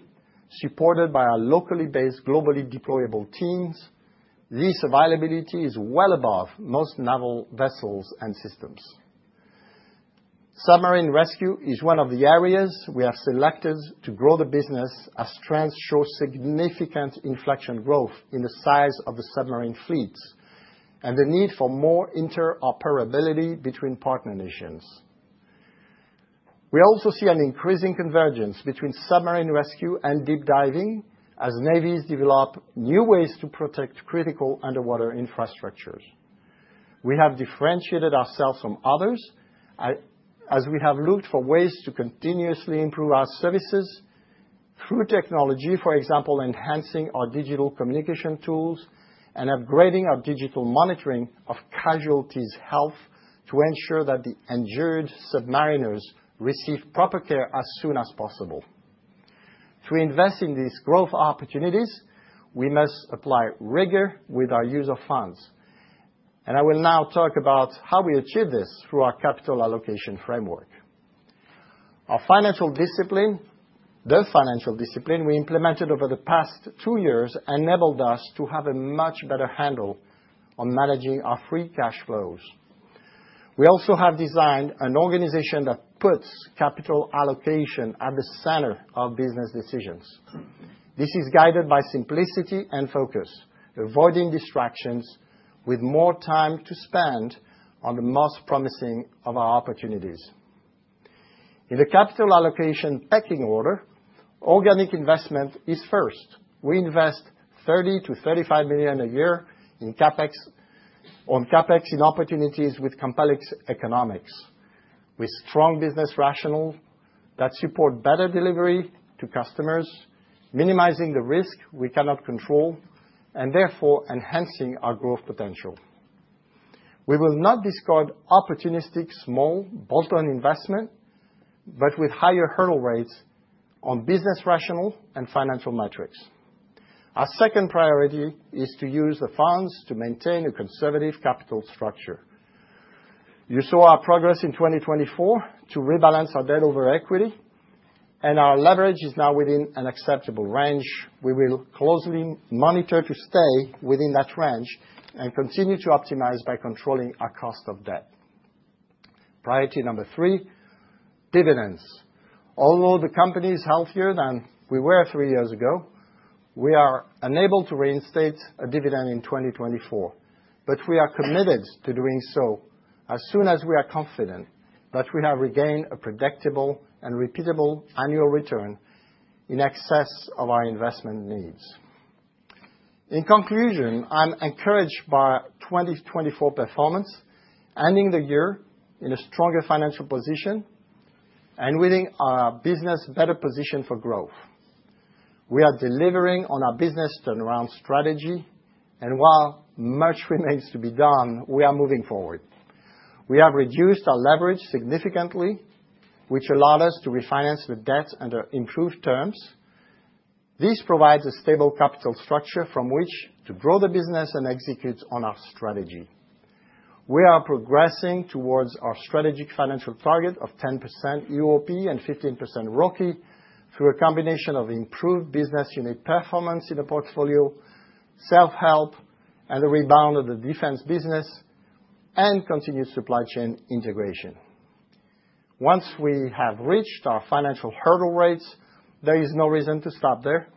supported by our locally based, globally deployable teams. This availability is well above most naval vessels and systems. Submarine rescue is one of the areas we have selected to grow the business as trends show significant inflection growth in the size of the submarine fleets and the need for more interoperability between partner nations. We also see an increasing convergence between submarine rescue and deep diving as navies develop new ways to protect critical underwater infrastructures. We have differentiated ourselves from others as we have looked for ways to continuously improve our services through technology, for example, enhancing our digital communication tools and upgrading our digital monitoring of casualties' health to ensure that the injured submariners receive proper care as soon as possible. To invest in these growth opportunities, we must apply rigor with our use of funds. And I will now talk about how we achieve this through our capital allocation framework. Our financial discipline, the financial discipline we implemented over the past two years, enabled us to have a much better handle on managing our free cash flows. We also have designed an organization that puts capital allocation at the center of business decisions. This is guided by simplicity and focus, avoiding distractions, with more time to spend on the most promising of our opportunities. In the capital allocation pecking order, organic investment is first. We invest 30 million-35 million a year on CapEx in opportunities with complex economics, with strong business rationales that support better delivery to customers, minimizing the risk we cannot control and therefore enhancing our growth potential. We will not discard opportunistic small bolt-on investment, but with higher hurdle rates on business rationales and financial metrics. Our second priority is to use the funds to maintain a conservative capital structure. You saw our progress in 2024 to rebalance our debt over equity, and our leverage is now within an acceptable range. We will closely monitor to stay within that range and continue to optimize by controlling our cost of debt. Priority number three, dividends. Although the company is healthier than we were three years ago, we are unable to reinstate a dividend in 2024, but we are committed to doing so as soon as we are confident that we have regained a predictable and repeatable annual return in excess of our investment needs. In conclusion, I'm encouraged by 2024 performance, ending the year in a stronger financial position and winning our business better position for growth. We are delivering on our business turnaround strategy, and while much remains to be done, we are moving forward. We have reduced our leverage significantly, which allowed us to refinance the debt under improved terms. This provides a stable capital structure from which to grow the business and execute on our strategy. We are progressing towards our strategic financial target of 10% UOP and 15% ROC through a combination of improved business unit performance in the portfolio, self-help, and the rebound of the defense business and continued supply chain integration. Once we have reached our financial hurdle rates, there is no reason to stop there,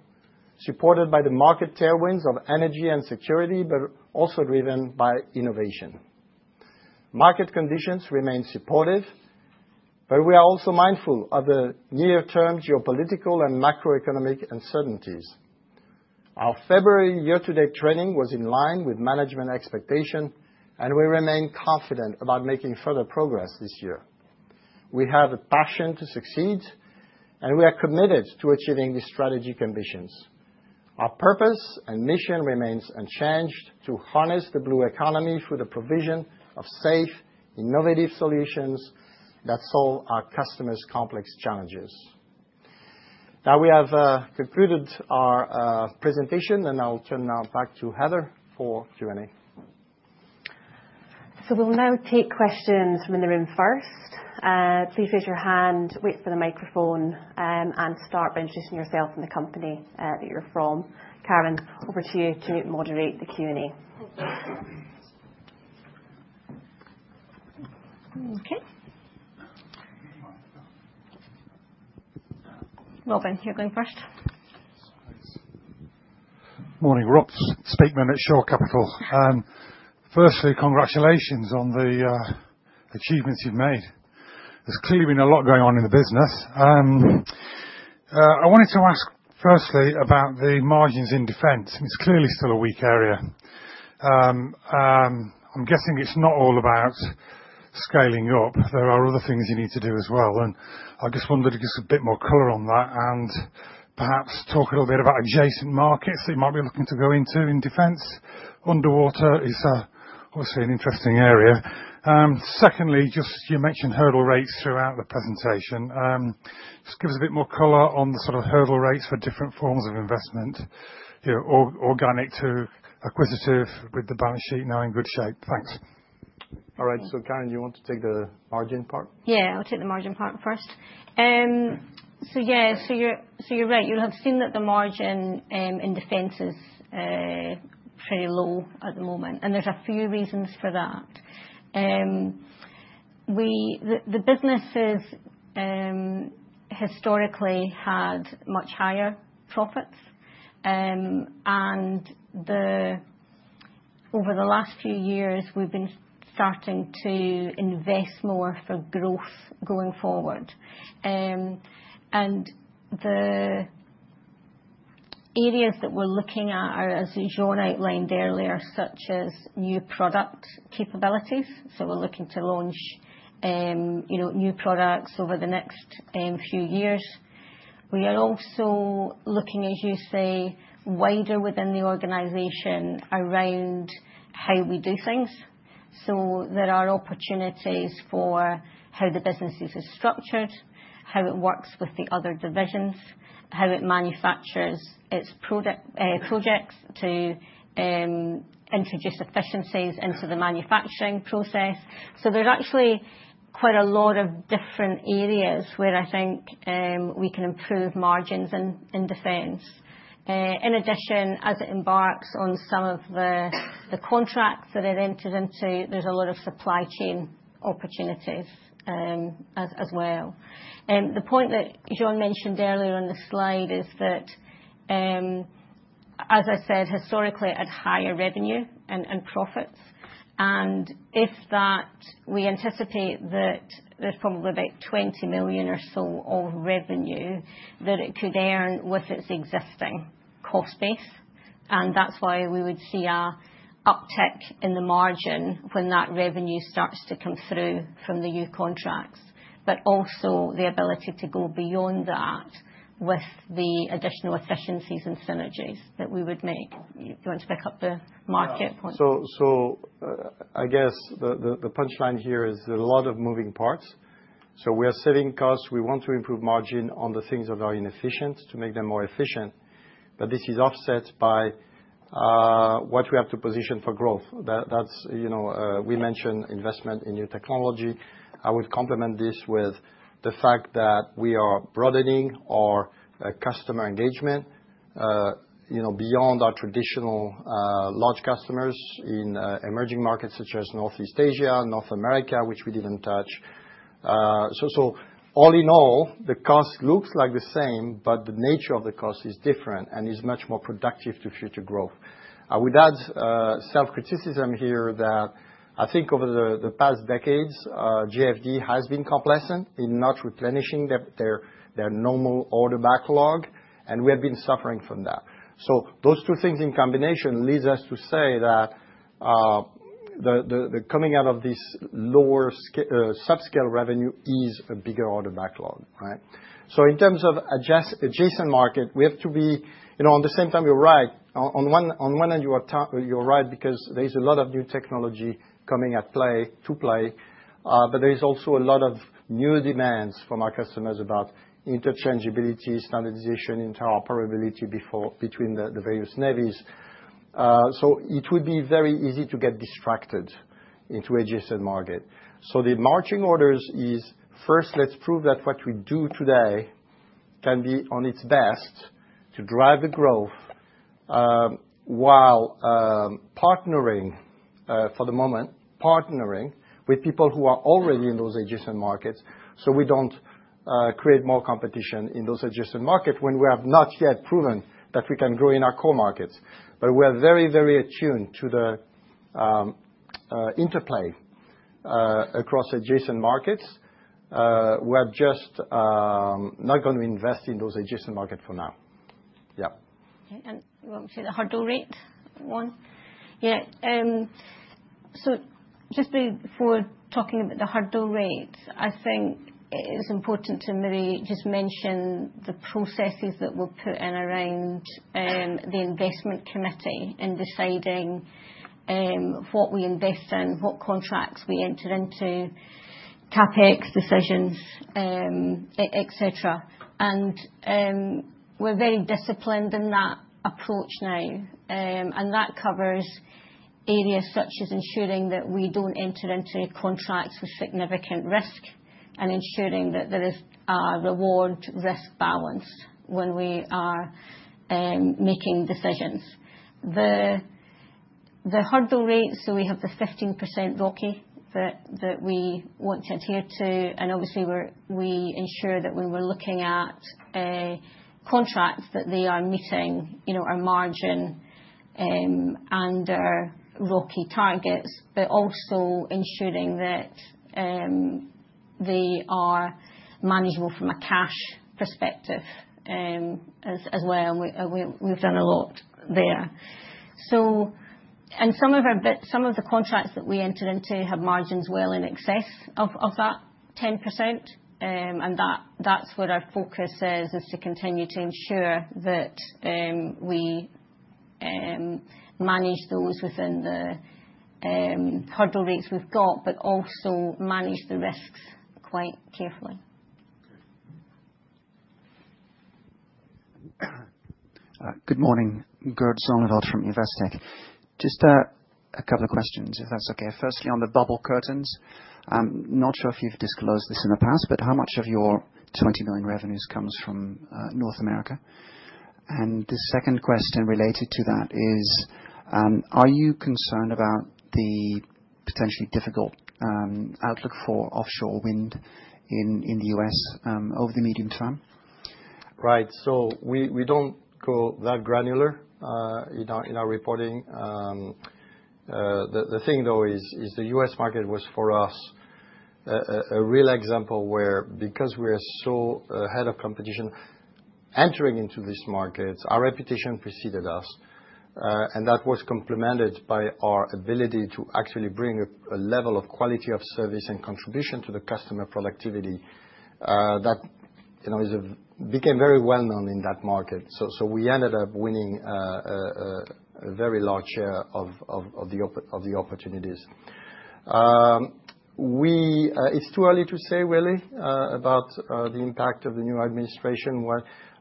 supported by the market tailwinds of energy and security, but also driven by innovation. Market conditions remain supportive, but we are also mindful of the near-term geopolitical and macroeconomic uncertainties. Our February year-to-date trading was in line with management expectation, and we remain confident about making further progress this year. We have a passion to succeed, and we are committed to achieving these strategic ambitions. Our purpose and mission remains unchanged to harness the blue economy through the provision of safe, innovative solutions that solve our customers' complex challenges. Now we have concluded our presentation, and I'll turn now back to Helen for Q&A. So we'll now take questions from in the room first. Please raise your hand, wait for the microphone, and start by introducing yourself and the company that you're from. Karen, over to you to moderate the Q&A. Okay. Robin, you're going first. Morning all, Speakman at Shore Capital. Firstly, congratulations on the achievements you've made. There's clearly been a lot going on in the business. I wanted to ask firstly about the margins in defense. It's clearly still a weak area. I'm guessing it's not all about scaling up. There are other things you need to do as well, and I just wondered to get a bit more color on that and perhaps talk a little bit about adjacent markets that you might be looking to go into in defense. Underwater is obviously an interesting area. Secondly, just you mentioned hurdle rates throughout the presentation. Just give us a bit more color on the sort of hurdle rates for different forms of investment, organic to acquisitive, with the balance sheet now in good shape. Thanks. All right. So Karen, you want to take the margin part? Yeah, I'll take the margin part first. So yeah, so you're right. You'll have seen that the margin in defense is pretty low at the moment, and there's a few reasons for that. The business has historically had much higher profits, and over the last few years, we've been starting to invest more for growth going forward, and the areas that we're looking at, as Jean outlined earlier, such as new product capabilities. So we're looking to launch new products over the next few years. We are also looking, as you say, wider within the organization around how we do things. There are opportunities for how the business is structured, how it works with the other divisions, how it manufactures its projects to introduce efficiencies into the manufacturing process. There's actually quite a lot of different areas where I think we can improve margins in defense. In addition, as it embarks on some of the contracts that are entered into, there's a lot of supply chain opportunities as well. The point that Jean mentioned earlier on the slide is that, as I said, historically, it had higher revenue and profits. With that, we anticipate that there's probably about 20 million or so of revenue that it could earn with its existing cost base. And that's why we would see an uptick in the margin when that revenue starts to come through from the new contracts, but also the ability to go beyond that with the additional efficiencies and synergies that we would make. Do you want to pick up the market point? So I guess the punchline here is there's a lot of moving parts. So we are saving costs. We want to improve margin on the things that are inefficient to make them more efficient. But this is offset by what we have to position for growth. We mentioned investment in new technology. I would complement this with the fact that we are broadening our customer engagement beyond our traditional large customers in emerging markets such as Northeast Asia, North America, which we didn't touch. So all in all, the cost looks like the same, but the nature of the cost is different and is much more productive to future growth. I would add self-criticism here that I think over the past decades, JFD has been complacent in not replenishing their normal order backlog, and we have been suffering from that. So those two things in combination leads us to say that the coming out of this lower subscale revenue is a bigger order backlog, right? So in terms of adjacent market, we have to be on the same time, you're right. On one hand, you're right because there's a lot of new technology coming at play to play, but there's also a lot of new demands from our customers about interchangeability, standardization, interoperability between the various navies. So it would be very easy to get distracted into adjacent market. So the marching orders is first, let's prove that what we do today can be on its best to drive the growth while partnering for the moment, partnering with people who are already in those adjacent markets so we don't create more competition in those adjacent markets when we have not yet proven that we can grow in our core markets. But we are very, very attuned to the interplay across adjacent markets. We're just not going to invest in those adjacent markets for now. Yeah. Okay. And you want to say the hurdle rate one? Yeah. So just before talking about the hurdle rates, I think it's important to maybe just mention the processes that we're putting around the investment committee in deciding what we invest in, what contracts we enter into, CapEx decisions, etc. And we're very disciplined in that approach now. And that covers areas such as ensuring that we don't enter into contracts with significant risk and ensuring that there is a reward-risk balance when we are making decisions. The hurdle rate, so we have the 15% ROCE that we want to adhere to. And obviously, we ensure that when we're looking at contracts that they are meeting our margin and our ROCE targets, but also ensuring that they are manageable from a cash perspective as well. We've done a lot there. So in some of the contracts that we enter into, have margins well in excess of that 10%. And that's where our focus is to continue to ensure that we manage those within the hurdle rates we've got, but also manage the risks quite carefully. Good morning, Gert Zonneveld from Investec. Just a couple of questions, if that's okay. Firstly, on the bubble curtains, not sure if you've disclosed this in the past, but how much of your 20 million revenues comes from North America? And the second question related to that is, are you concerned about the potentially difficult outlook for offshore wind in the U.S. over the medium term? Right. So we don't go that granular in our reporting. The thing, though, is the U.S. market was, for us, a real example where, because we are so ahead of competition entering into these markets, our reputation preceded us. And that was complemented by our ability to actually bring a level of quality of service and contribution to the customer productivity that became very well known in that market. So we ended up winning a very large share of the opportunities. It's too early to say, really, about the impact of the new administration.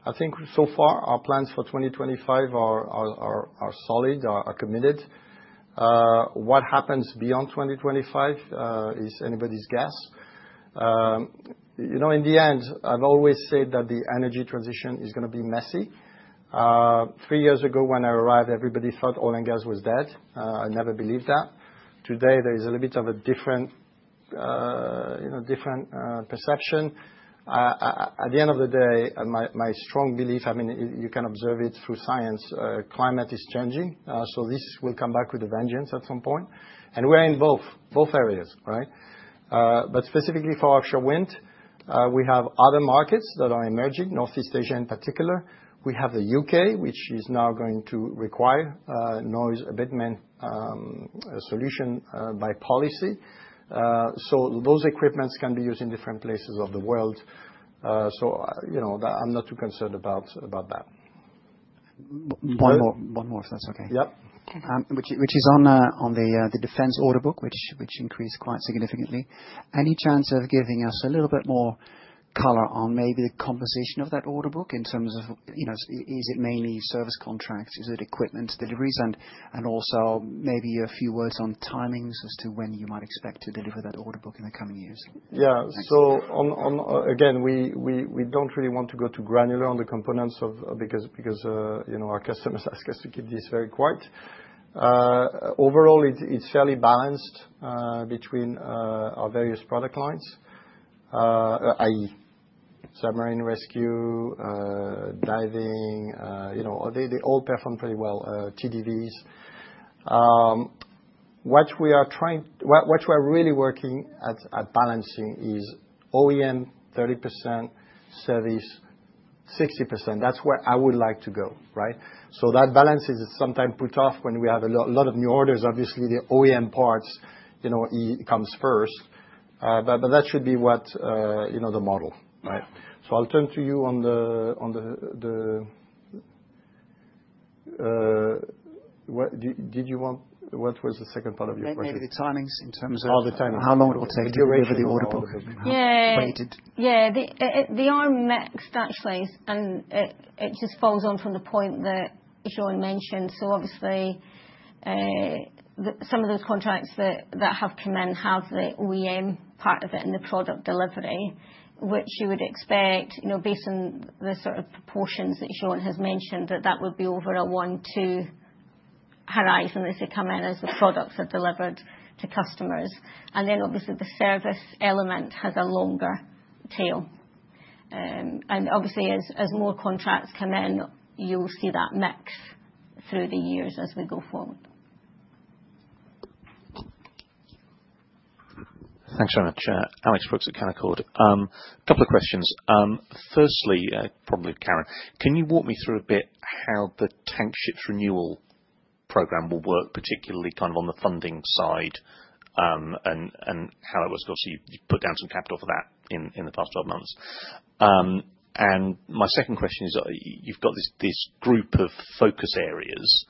I think so far, our plans for 2025 are solid, are committed. What happens beyond 2025 is anybody's guess. In the end, I've always said that the energy transition is going to be messy. Three years ago, when I arrived, everybody thought oil and gas was dead. I never believed that. Today, there is a little bit of a different perception. At the end of the day, my strong belief, I mean, you can observe it through science, climate is changing. So this will come back with a vengeance at some point. And we're in both areas, right? But specifically for offshore wind, we have other markets that are emerging, Northeast Asia in particular. We have the U.K., which is now going to require noise abatement solution by policy. So those equipments can be used in different places of the world. So I'm not too concerned about that. One more, if that's okay. Yep. Which is on the defense order book, which increased quite significantly. Any chance of giving us a little bit more color on maybe the composition of that order book in terms of, is it mainly service contracts? Is it equipment deliveries? And also maybe a few words on timings as to when you might expect to deliver that order book in the coming years? Yeah. So again, we don't really want to go too granular on the components because our customers ask us to keep this very quiet. Overall, it's fairly balanced between our various product lines, i.e., submarine rescue, diving. They all perform pretty well. TDVs. What we are really working at balancing is OEM 30%, service 60%. That's where I would like to go, right? So that balance is sometimes put off when we have a lot of new orders. Obviously, the OEM parts comes first. But that should be what the model, right? So I'll turn to you on the did you want what was the second part of your question? Maybe the timings in terms of how long it will take to deliver the order book? Yeah. Yeah. The mix, actually, and it just follows on from the point that Jean mentioned. So obviously, some of those contracts that have come in have the OEM part of it and the product delivery, which you would expect based on the sort of proportions that Jean has mentioned, that that would be over a one-two horizon as they come in, as the products are delivered to customers. And then obviously, the service element has a longer tail. And obviously, as more contracts come in, you'll see that mix through the years as we go forward. Thanks very much. Alex Brooks at Canaccord Genuity. A couple of questions. Firstly, probably Karen, can you walk me through a bit how the Tankships renewal program will work, particularly kind of on the funding side and how it was? Obviously, you've put down some capital for that in the past 12 months. And my second question is, you've got this group of focus areas.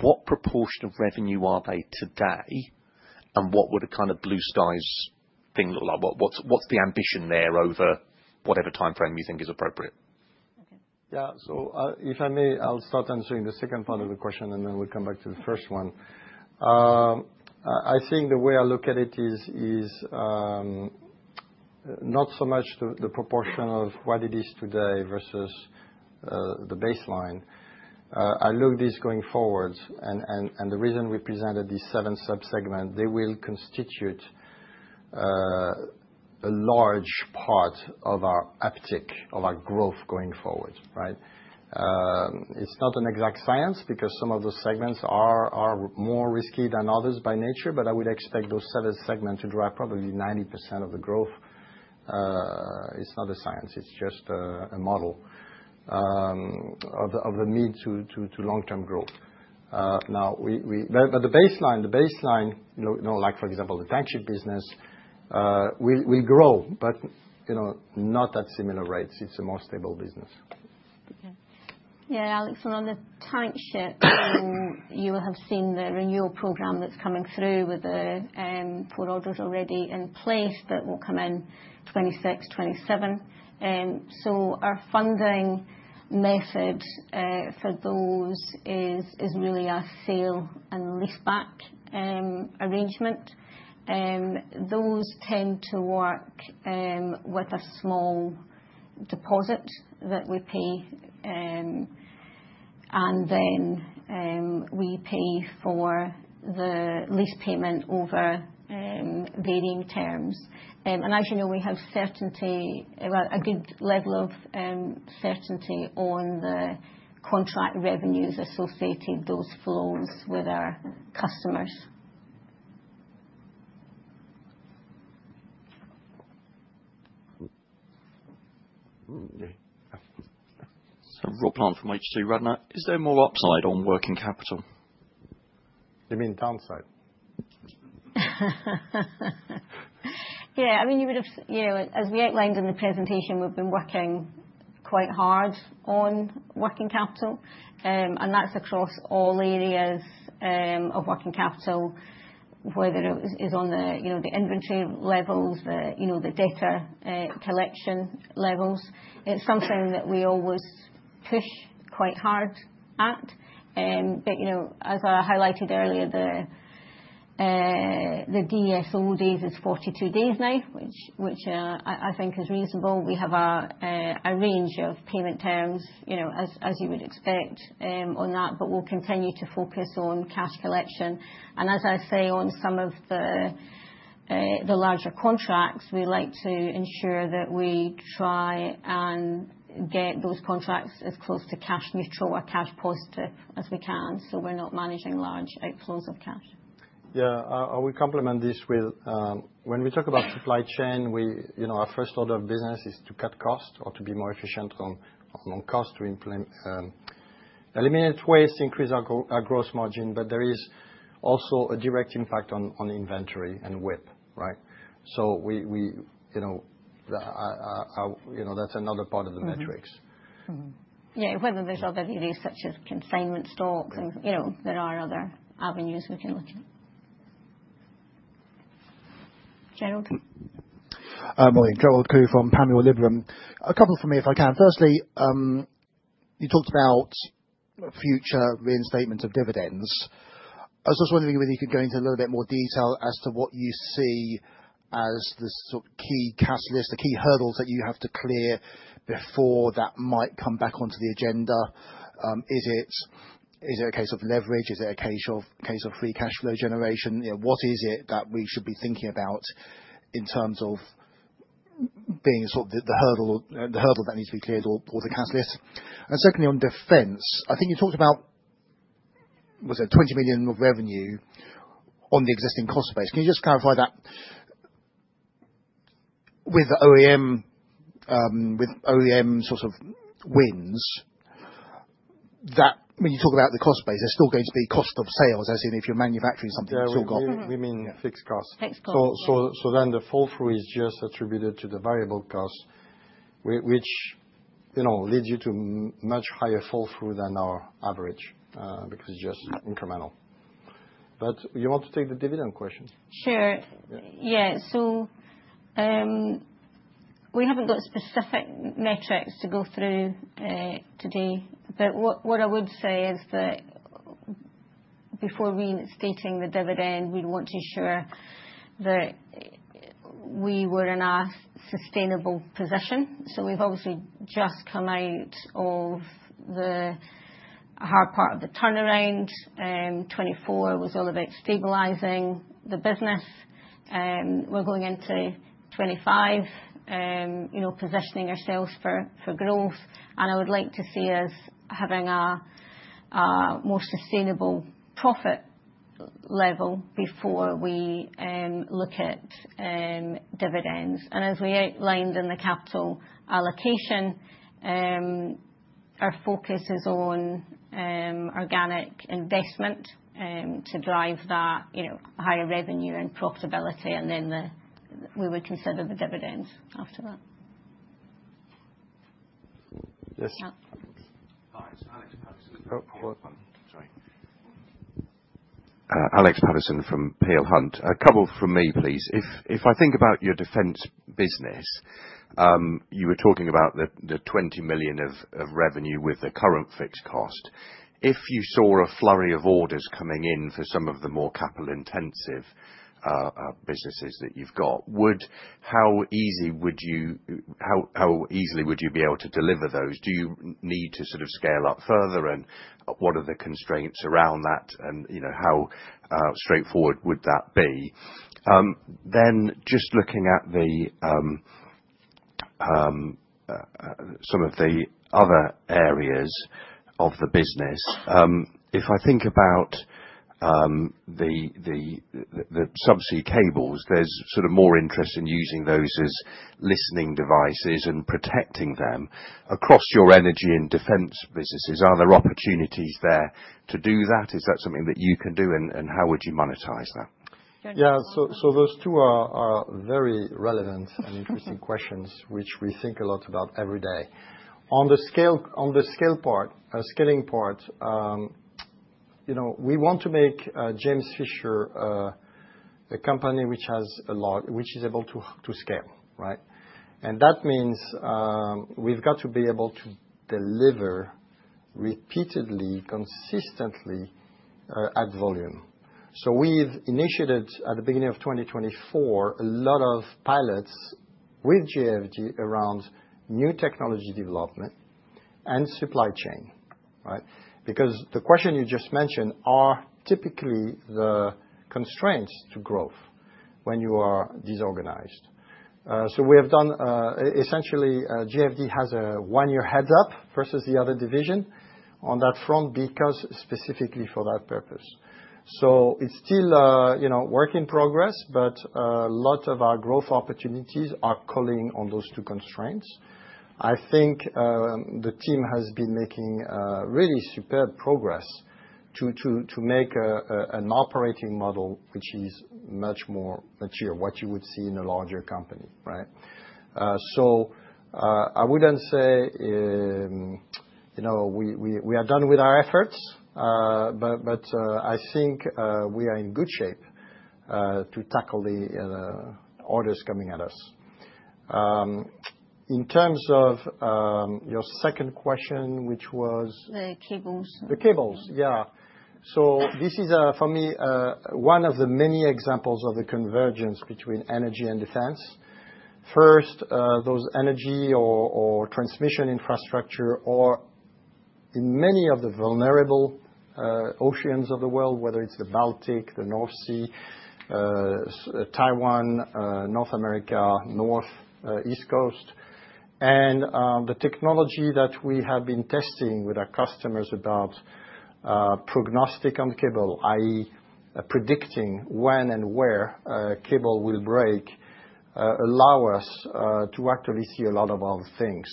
What proportion of revenue are they today? And what would a kind of blue skies thing look like? What's the ambition there over whatever timeframe you think is appropriate? Okay. Yeah. So if I may, I'll start answering the second part of the question, and then we'll come back to the first one. I think the way I look at it is not so much the proportion of what it is today versus the baseline. I look at this going forwards. The reason we presented these seven subsegments, they will constitute a large part of our uptick, of our growth going forward, right? It's not an exact science because some of those segments are more risky than others by nature, but I would expect those seven segments to drive probably 90% of the growth. It's not a science. It's just a model of the mid- to long-term growth. Now, but the baseline, the baseline, like for example, the tankship business will grow, but not at similar rates. It's a more stable business. Okay. Yeah. Alex, on the tankship, you will have seen the renewal program that's coming through with the four orders already in place that will come in 2026, 2027. So our funding method for those is really a sale and lease-back arrangement. Those tend to work with a small deposit that we pay. And then we pay for the lease payment over varying terms. And as you know, we have certainty, a good level of certainty on the contract revenues associated with those flows with our customers. So your plan from H2, Karen, is there more upside on working capital? You mean downside? Yeah. I mean, as we outlined in the presentation, we've been working quite hard on working capital. And that's across all areas of working capital, whether it is on the inventory levels, the debt collection levels. It's something that we always push quite hard at. But as I highlighted earlier, the DSO days is 42 days now, which I think is reasonable. We have a range of payment terms, as you would expect, on that, but we'll continue to focus on cash collection. And as I say, on some of the larger contracts, we like to ensure that we try and get those contracts as close to cash neutral or cash positive as we can so we're not managing large outflows of cash. Yeah. I will complement this with, when we talk about supply chain, our first order of business is to cut costs or to be more efficient on costs, to eliminate waste, increase our gross margin. But there is also a direct impact on inventory and WIP, right? So that's another part of the metrics. Yeah. Whether there's other areas such as consignment stocks, there are other avenues we can look at. Gerald? Morning. Gerald Khoo from Panmure Liberum. A couple for me if I can. Firstly, you talked about future reinstatement of dividends. I was just wondering whether you could go into a little bit more detail as to what you see as the sort of key catalyst, the key hurdles that you have to clear before that might come back onto the agenda. Is it a case of leverage? Is it a case of free cash flow generation? What is it that we should be thinking about in terms of being sort of the hurdle that needs to be cleared or the catalyst? And secondly, on defense, I think you talked about, was it 20 million of revenue on the existing cost base? Can you just clarify that? With the OEM sort of wins, that when you talk about the cost base, there's still going to be cost of sales, as in if you're manufacturing something, you've still got. We mean fixed costs. Fixed costs. So then the fall-through is just attributed to the variable cost, which leads you to much higher fall-through than our average because it's just incremental. But you want to take the dividend question? Sure. Yeah. So we haven't got specific metrics to go through today. But what I would say is that before reinstating the dividend, we'd want to ensure that we were in a sustainable position. So we've obviously just come out of the hard part of the turnaround. 2024 was all about stabilizing the business. We're going into 2025, positioning ourselves for growth. And I would like to see us having a more sustainable profit level before we look at dividends. And as we outlined in the capital allocation, our focus is on organic investment to drive that higher revenue and profitability. And then we would consider the dividends after that. Yes. Hi. It's Alex Paterson. Oh, sorry. Alex Paterson from Peel Hunt. A couple from me, please. If I think about your defense business, you were talking about the 20 million of revenue with the current fixed cost. If you saw a flurry of orders coming in for some of the more capital-intensive businesses that you've got, how easy would you be able to deliver those? Do you need to sort of scale up further? And what are the constraints around that? And how straightforward would that be? Then just looking at some of the other areas of the business, if I think about the subsea cables, there's sort of more interest in using those as listening devices and protecting them. Across your energy and defense businesses, are there opportunities there to do that? Is that something that you can do? And how would you monetize that? Yeah. So those two are very relevant and interesting questions, which we think a lot about every day. On the scale part, scaling part, we want to make James Fisher a company which is able to scale, right? And that means we've got to be able to deliver repeatedly, consistently at volume. So we've initiated at the beginning of 2024 a lot of pilots with JFD around new technology development and supply chain, right? Because the question you just mentioned are typically the constraints to growth when you are disorganized. So we have done essentially JFD has a one-year heads-up versus the other division on that front because specifically for that purpose. So it's still a work in progress, but a lot of our growth opportunities are calling on those two constraints. I think the team has been making really superb progress to make an operating model which is much more mature than what you would see in a larger company, right? So I wouldn't say we are done with our efforts, but I think we are in good shape to tackle the orders coming at us. In terms of your second question, which was the cables. The cables, yeah. So this is, for me, one of the many examples of the convergence between energy and defense. First, those energy or transmission infrastructure or in many of the vulnerable oceans of the world, whether it's the Baltic, the North Sea, Taiwan, North America, North East Coast. And the technology that we have been testing with our customers about prognostics on cable, i.e., predicting when and where cable will break, allow us to actually see a lot of other things.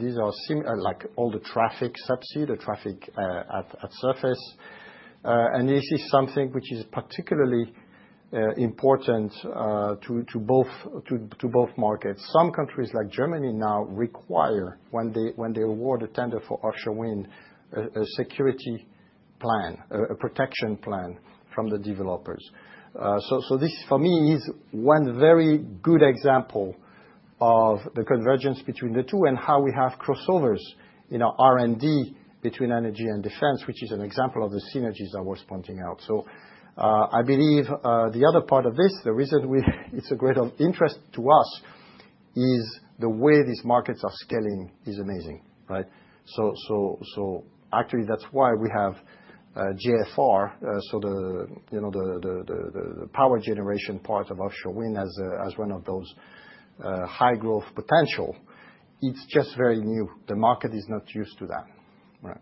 These are like all the traffic subsea, the traffic at surface. This is something which is particularly important to both markets. Some countries like Germany now require, when they award a tender for offshore wind, a security plan, a protection plan from the developers. This, for me, is one very good example of the convergence between the two and how we have crossovers in our R&D between energy and defense, which is an example of the synergies I was pointing out. I believe the other part of this, the reason it's of great interest to us is the way these markets are scaling is amazing, right? Actually, that's why we have JFR, so the power generation part of offshore wind as one of those high-growth potential. It's just very new. The market is not used to that, right?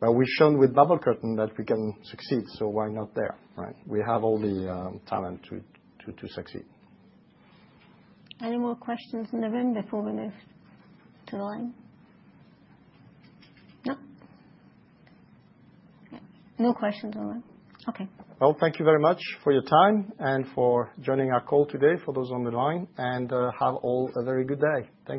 But we've shown with Bubble Curtain that we can succeed, so why not there, right? We have all the talent to succeed. Any more questions in the room before we move to the line? No? No questions on that? Okay. Well, thank you very much for your time and for joining our call today for those on the line. And have all a very good day. Thank you.